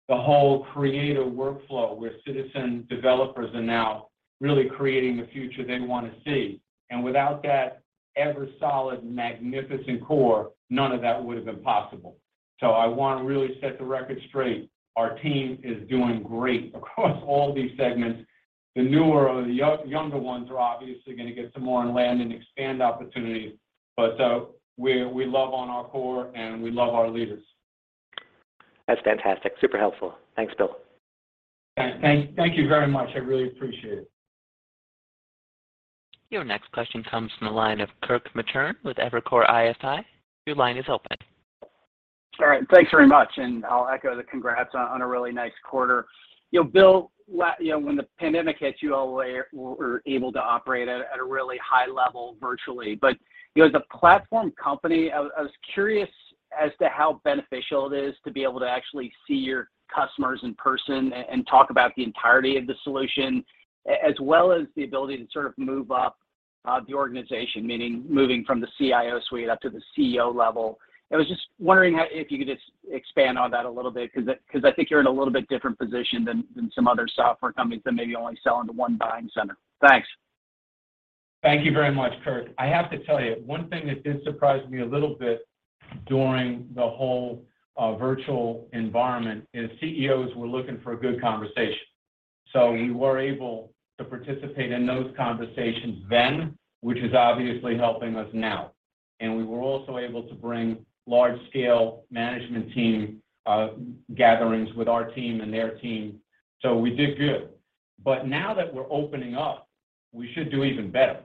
the whole creator workflow, where citizen developers are now really creating the future they want to see. Without that ever solid, magnificent core, none of that would have been possible. I want to really set the record straight. Our team is doing great across all these segments. The newer, the younger ones are obviously going to get some more land and expand opportunities. We love our core, and we love our leaders. That's fantastic. Super helpful. Thanks, Bill. Thank you very much. I really appreciate it. Your next question comes from the line of Kirk Materne with Evercore ISI. Your line is open. All right, thanks very much, and I'll echo the congrats on a really nice quarter. You know, Bill, you know, when the pandemic hit, you all were able to operate at a really high level virtually. You know, as a platform company, I was curious as to how beneficial it is to be able to actually see your customers in person and talk about the entirety of the solution, as well as the ability to sort of move up the organization, meaning moving from the CIO Suite up to the CEO level. I was just wondering how, if you could just expand on that a little bit because I think you're in a little bit different position than some other software companies that maybe only sell into one buying center. Thanks. Thank you very much, Kirk. I have to tell you, one thing that did surprise me a little bit during the whole virtual environment is CEOs were looking for a good conversation. We were able to participate in those conversations then, which is obviously helping us now. We were also able to bring large-scale management team gatherings with our team and their team. We did good. Now that we're opening up, we should do even better.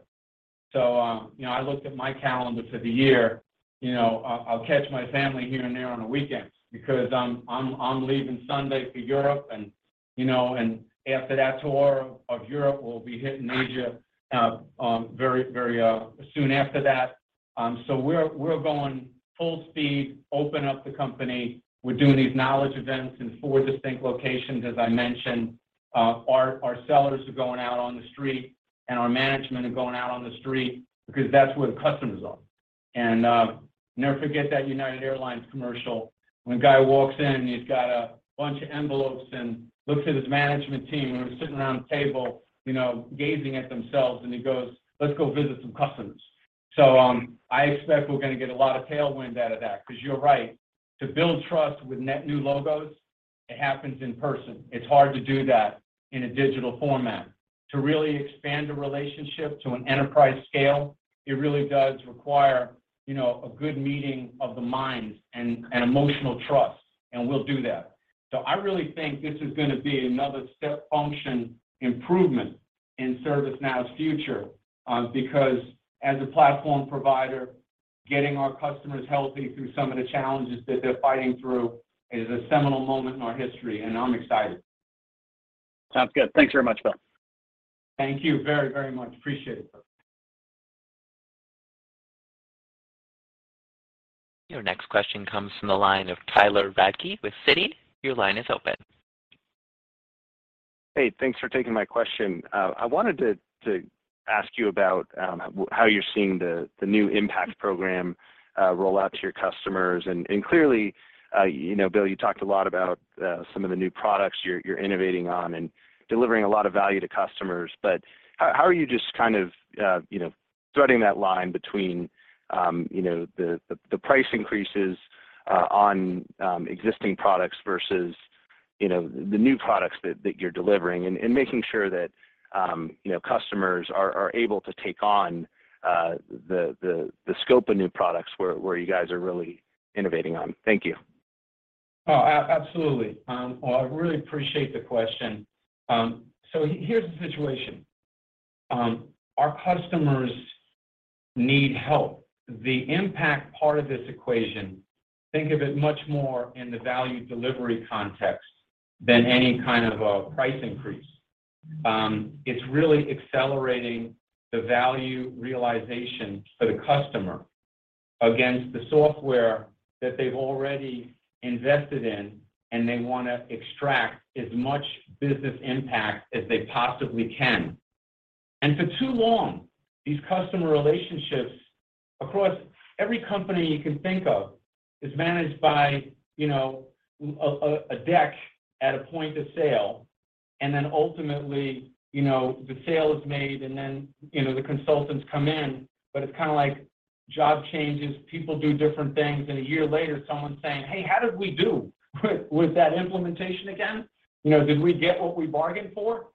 You know, I looked at my calendar for the year, you know, I'll catch my family here and there on the weekends because I'm leaving Sunday for Europe and, you know, after that tour of Europe, we'll be hitting Asia very soon after that. We're going full speed, open up the company. We're doing these knowledge events in four distinct locations, as I mentioned. Our sellers are going out on the street, and our management are going out on the street because that's where the customers are. Never forget that United Airlines Commercial when a guy walks in, and he's got a bunch of envelopes and looks at his management team who are sitting around the table, you know, gazing at themselves, and he goes, "Let's go visit some customers." I expect we're going to get a lot of tailwind out of that because you're right, to build trust with net new logos, it happens in person. It's hard to do that in a digital format. To really expand a relationship to an enterprise scale, it really does require, you know, a good meeting of the minds and emotional trust, and we'll do that. I really think this is going to be another step function improvement in ServiceNow's future, because as a platform provider, getting our customers healthy through some of the challenges that they're fighting through is a seminal moment in our history, and I'm excited. Sounds good. Thanks very much, Bill. Thank you very, very much. Appreciate it. Your next question comes from the line of Tyler Radke with Citi. Your line is open. Hey, thanks for taking my question. I wanted to ask you about how you're seeing the new Impact program roll out to your customers. Clearly, you know, Bill, you talked a lot about some of the new products you're innovating on and delivering a lot of value to customers. How are you just kind of, you know, threading that line between, you know, the price increases on existing products versus, you know, the new products that you're delivering and making sure that, you know, customers are able to take on the scope of new products where you guys are really innovating on. Thank you. Oh, absolutely. Well, I really appreciate the question. Here's the situation. Our customers need help. The Impact part of this equation, think of it much more in the value delivery context than any kind of a price increase. It's really accelerating the value realization for the customer against the software that they've already invested in, and they want to extract as much business impact as they possibly can. For too long, these customer relationships across every company you can think of is managed by, you know, a deck at a point of sale. Then ultimately, you know, the sale is made, and then, you know, the consultants come in. It's kinda like job changes, people do different things, and a year later, someone's saying, "Hey, how did we do with that implementation again? You know, did we get what we bargained for?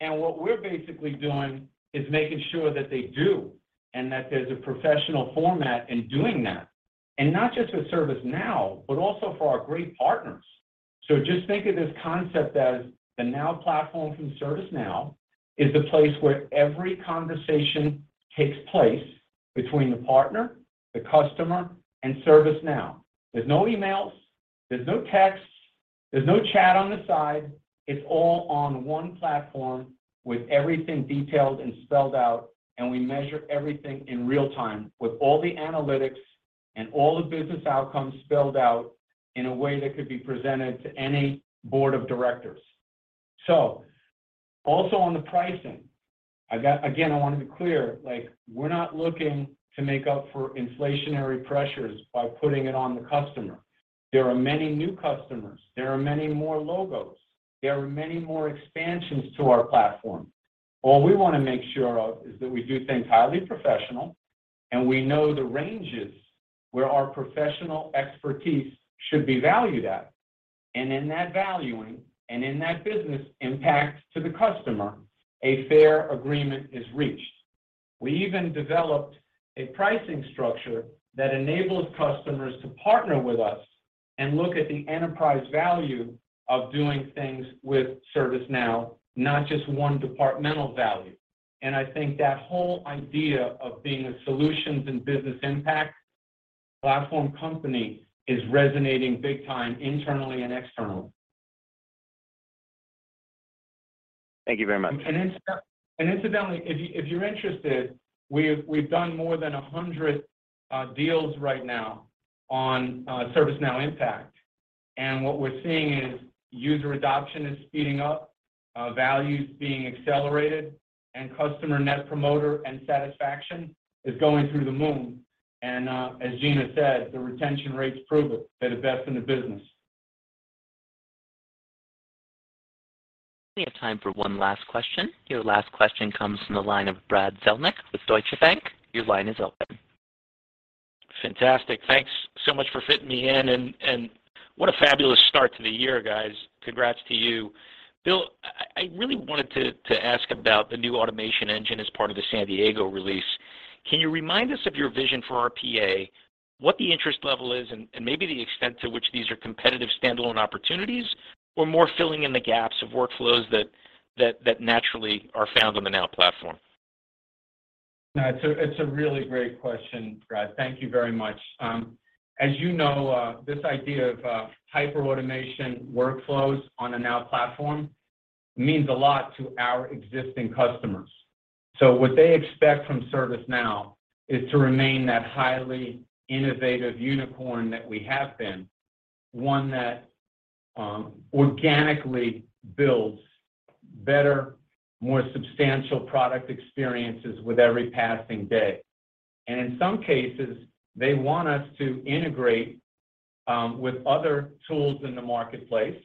What we're basically doing is making sure that they do, and that there's a professional format in doing that. Not just with ServiceNow, but also for our great partners. Just think of this concept as the Now Platform from ServiceNow is the place where every conversation takes place between the partner, the customer, and ServiceNow. There's no emails, there's no texts, there's no chat on the side. It's all on one platform with everything detailed and spelled out, and we measure everything in real time with all the analytics and all the business outcomes spelled out in a way that could be presented to any board of directors. Also on the pricing, again, I wanna be clear, like we're not looking to make up for inflationary pressures by putting it on the customer. There are many new customers. There are many more logos. There are many more expansions to our platform. All we wanna make sure of is that we do things highly professional, and we know the ranges where our professional expertise should be valued at. In that valuing and in that business impact to the customer, a fair agreement is reached. We even developed a pricing structure that enables customers to partner with us and look at the enterprise value of doing things with ServiceNow, not just one departmental value. I think that whole idea of being a solutions and business impact platform company is resonating big time, internally and externally. Thank you very much. Incidentally, if you're interested, we've done more than 100 deals right now on ServiceNow Impact. What we're seeing is user adoption is speeding up, values being accelerated, and customer net promoter and satisfaction is going through the roof. As Gina said, the retention rates prove it. They're the best in the business. We have time for one last question. Your last question comes from the line of Brad Zelnick with Deutsche Bank. Your line is open. Fantastic. Thanks so much for fitting me in, and what a fabulous start to the year, guys. Congrats to you. Bill, I really wanted to ask about the new automation engine as part of the San Diego release. Can you remind us of your vision for RPA, what the interest level is, and maybe the extent to which these are competitive standalone opportunities or more filling in the gaps of workflows that naturally are found on the Now Platform? No, it's a really great question, Brad. Thank you very much. As you know, this idea of hyper-automation workflows on the Now Platform means a lot to our existing customers. What they expect from ServiceNow is to remain that highly innovative unicorn that we have been, one that organically builds better, more substantial product experiences with every passing day. In some cases, they want us to integrate with other tools in the marketplace.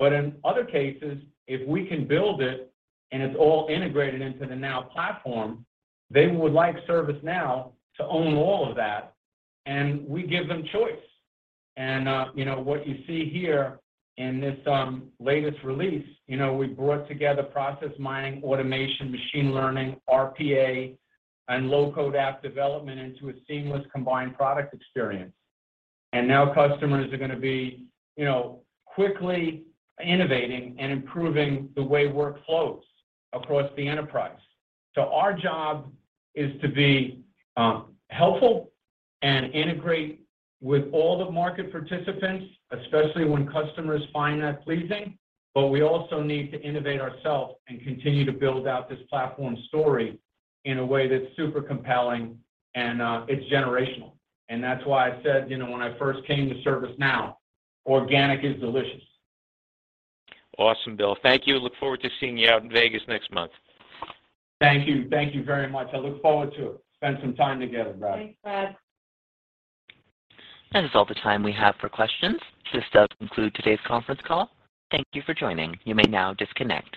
In other cases, if we can build it and it's all integrated into the Now Platform, they would like ServiceNow to own all of that, and we give them choice. What you see here in this latest release, we brought together process mining, automation, machine learning, RPA, and low-code app development into a seamless combined product experience. Now customers are gonna be, you know, quickly innovating and improving the way work flows across the enterprise. Our job is to be helpful and integrate with all the market participants, especially when customers find that pleasing. We also need to innovate ourselves and continue to build out this platform story in a way that's super compelling and it's generational. That's why I said, you know, when I first came to ServiceNow, organic is delicious. Awesome, Bill. Thank you. Look forward to seeing you out in Vegas next month. Thank you. Thank you very much. I look forward to it. Spend some time together, Brad. Thanks, Brad. That is all the time we have for questions. This does conclude today's conference call. Thank you for joining. You may now disconnect.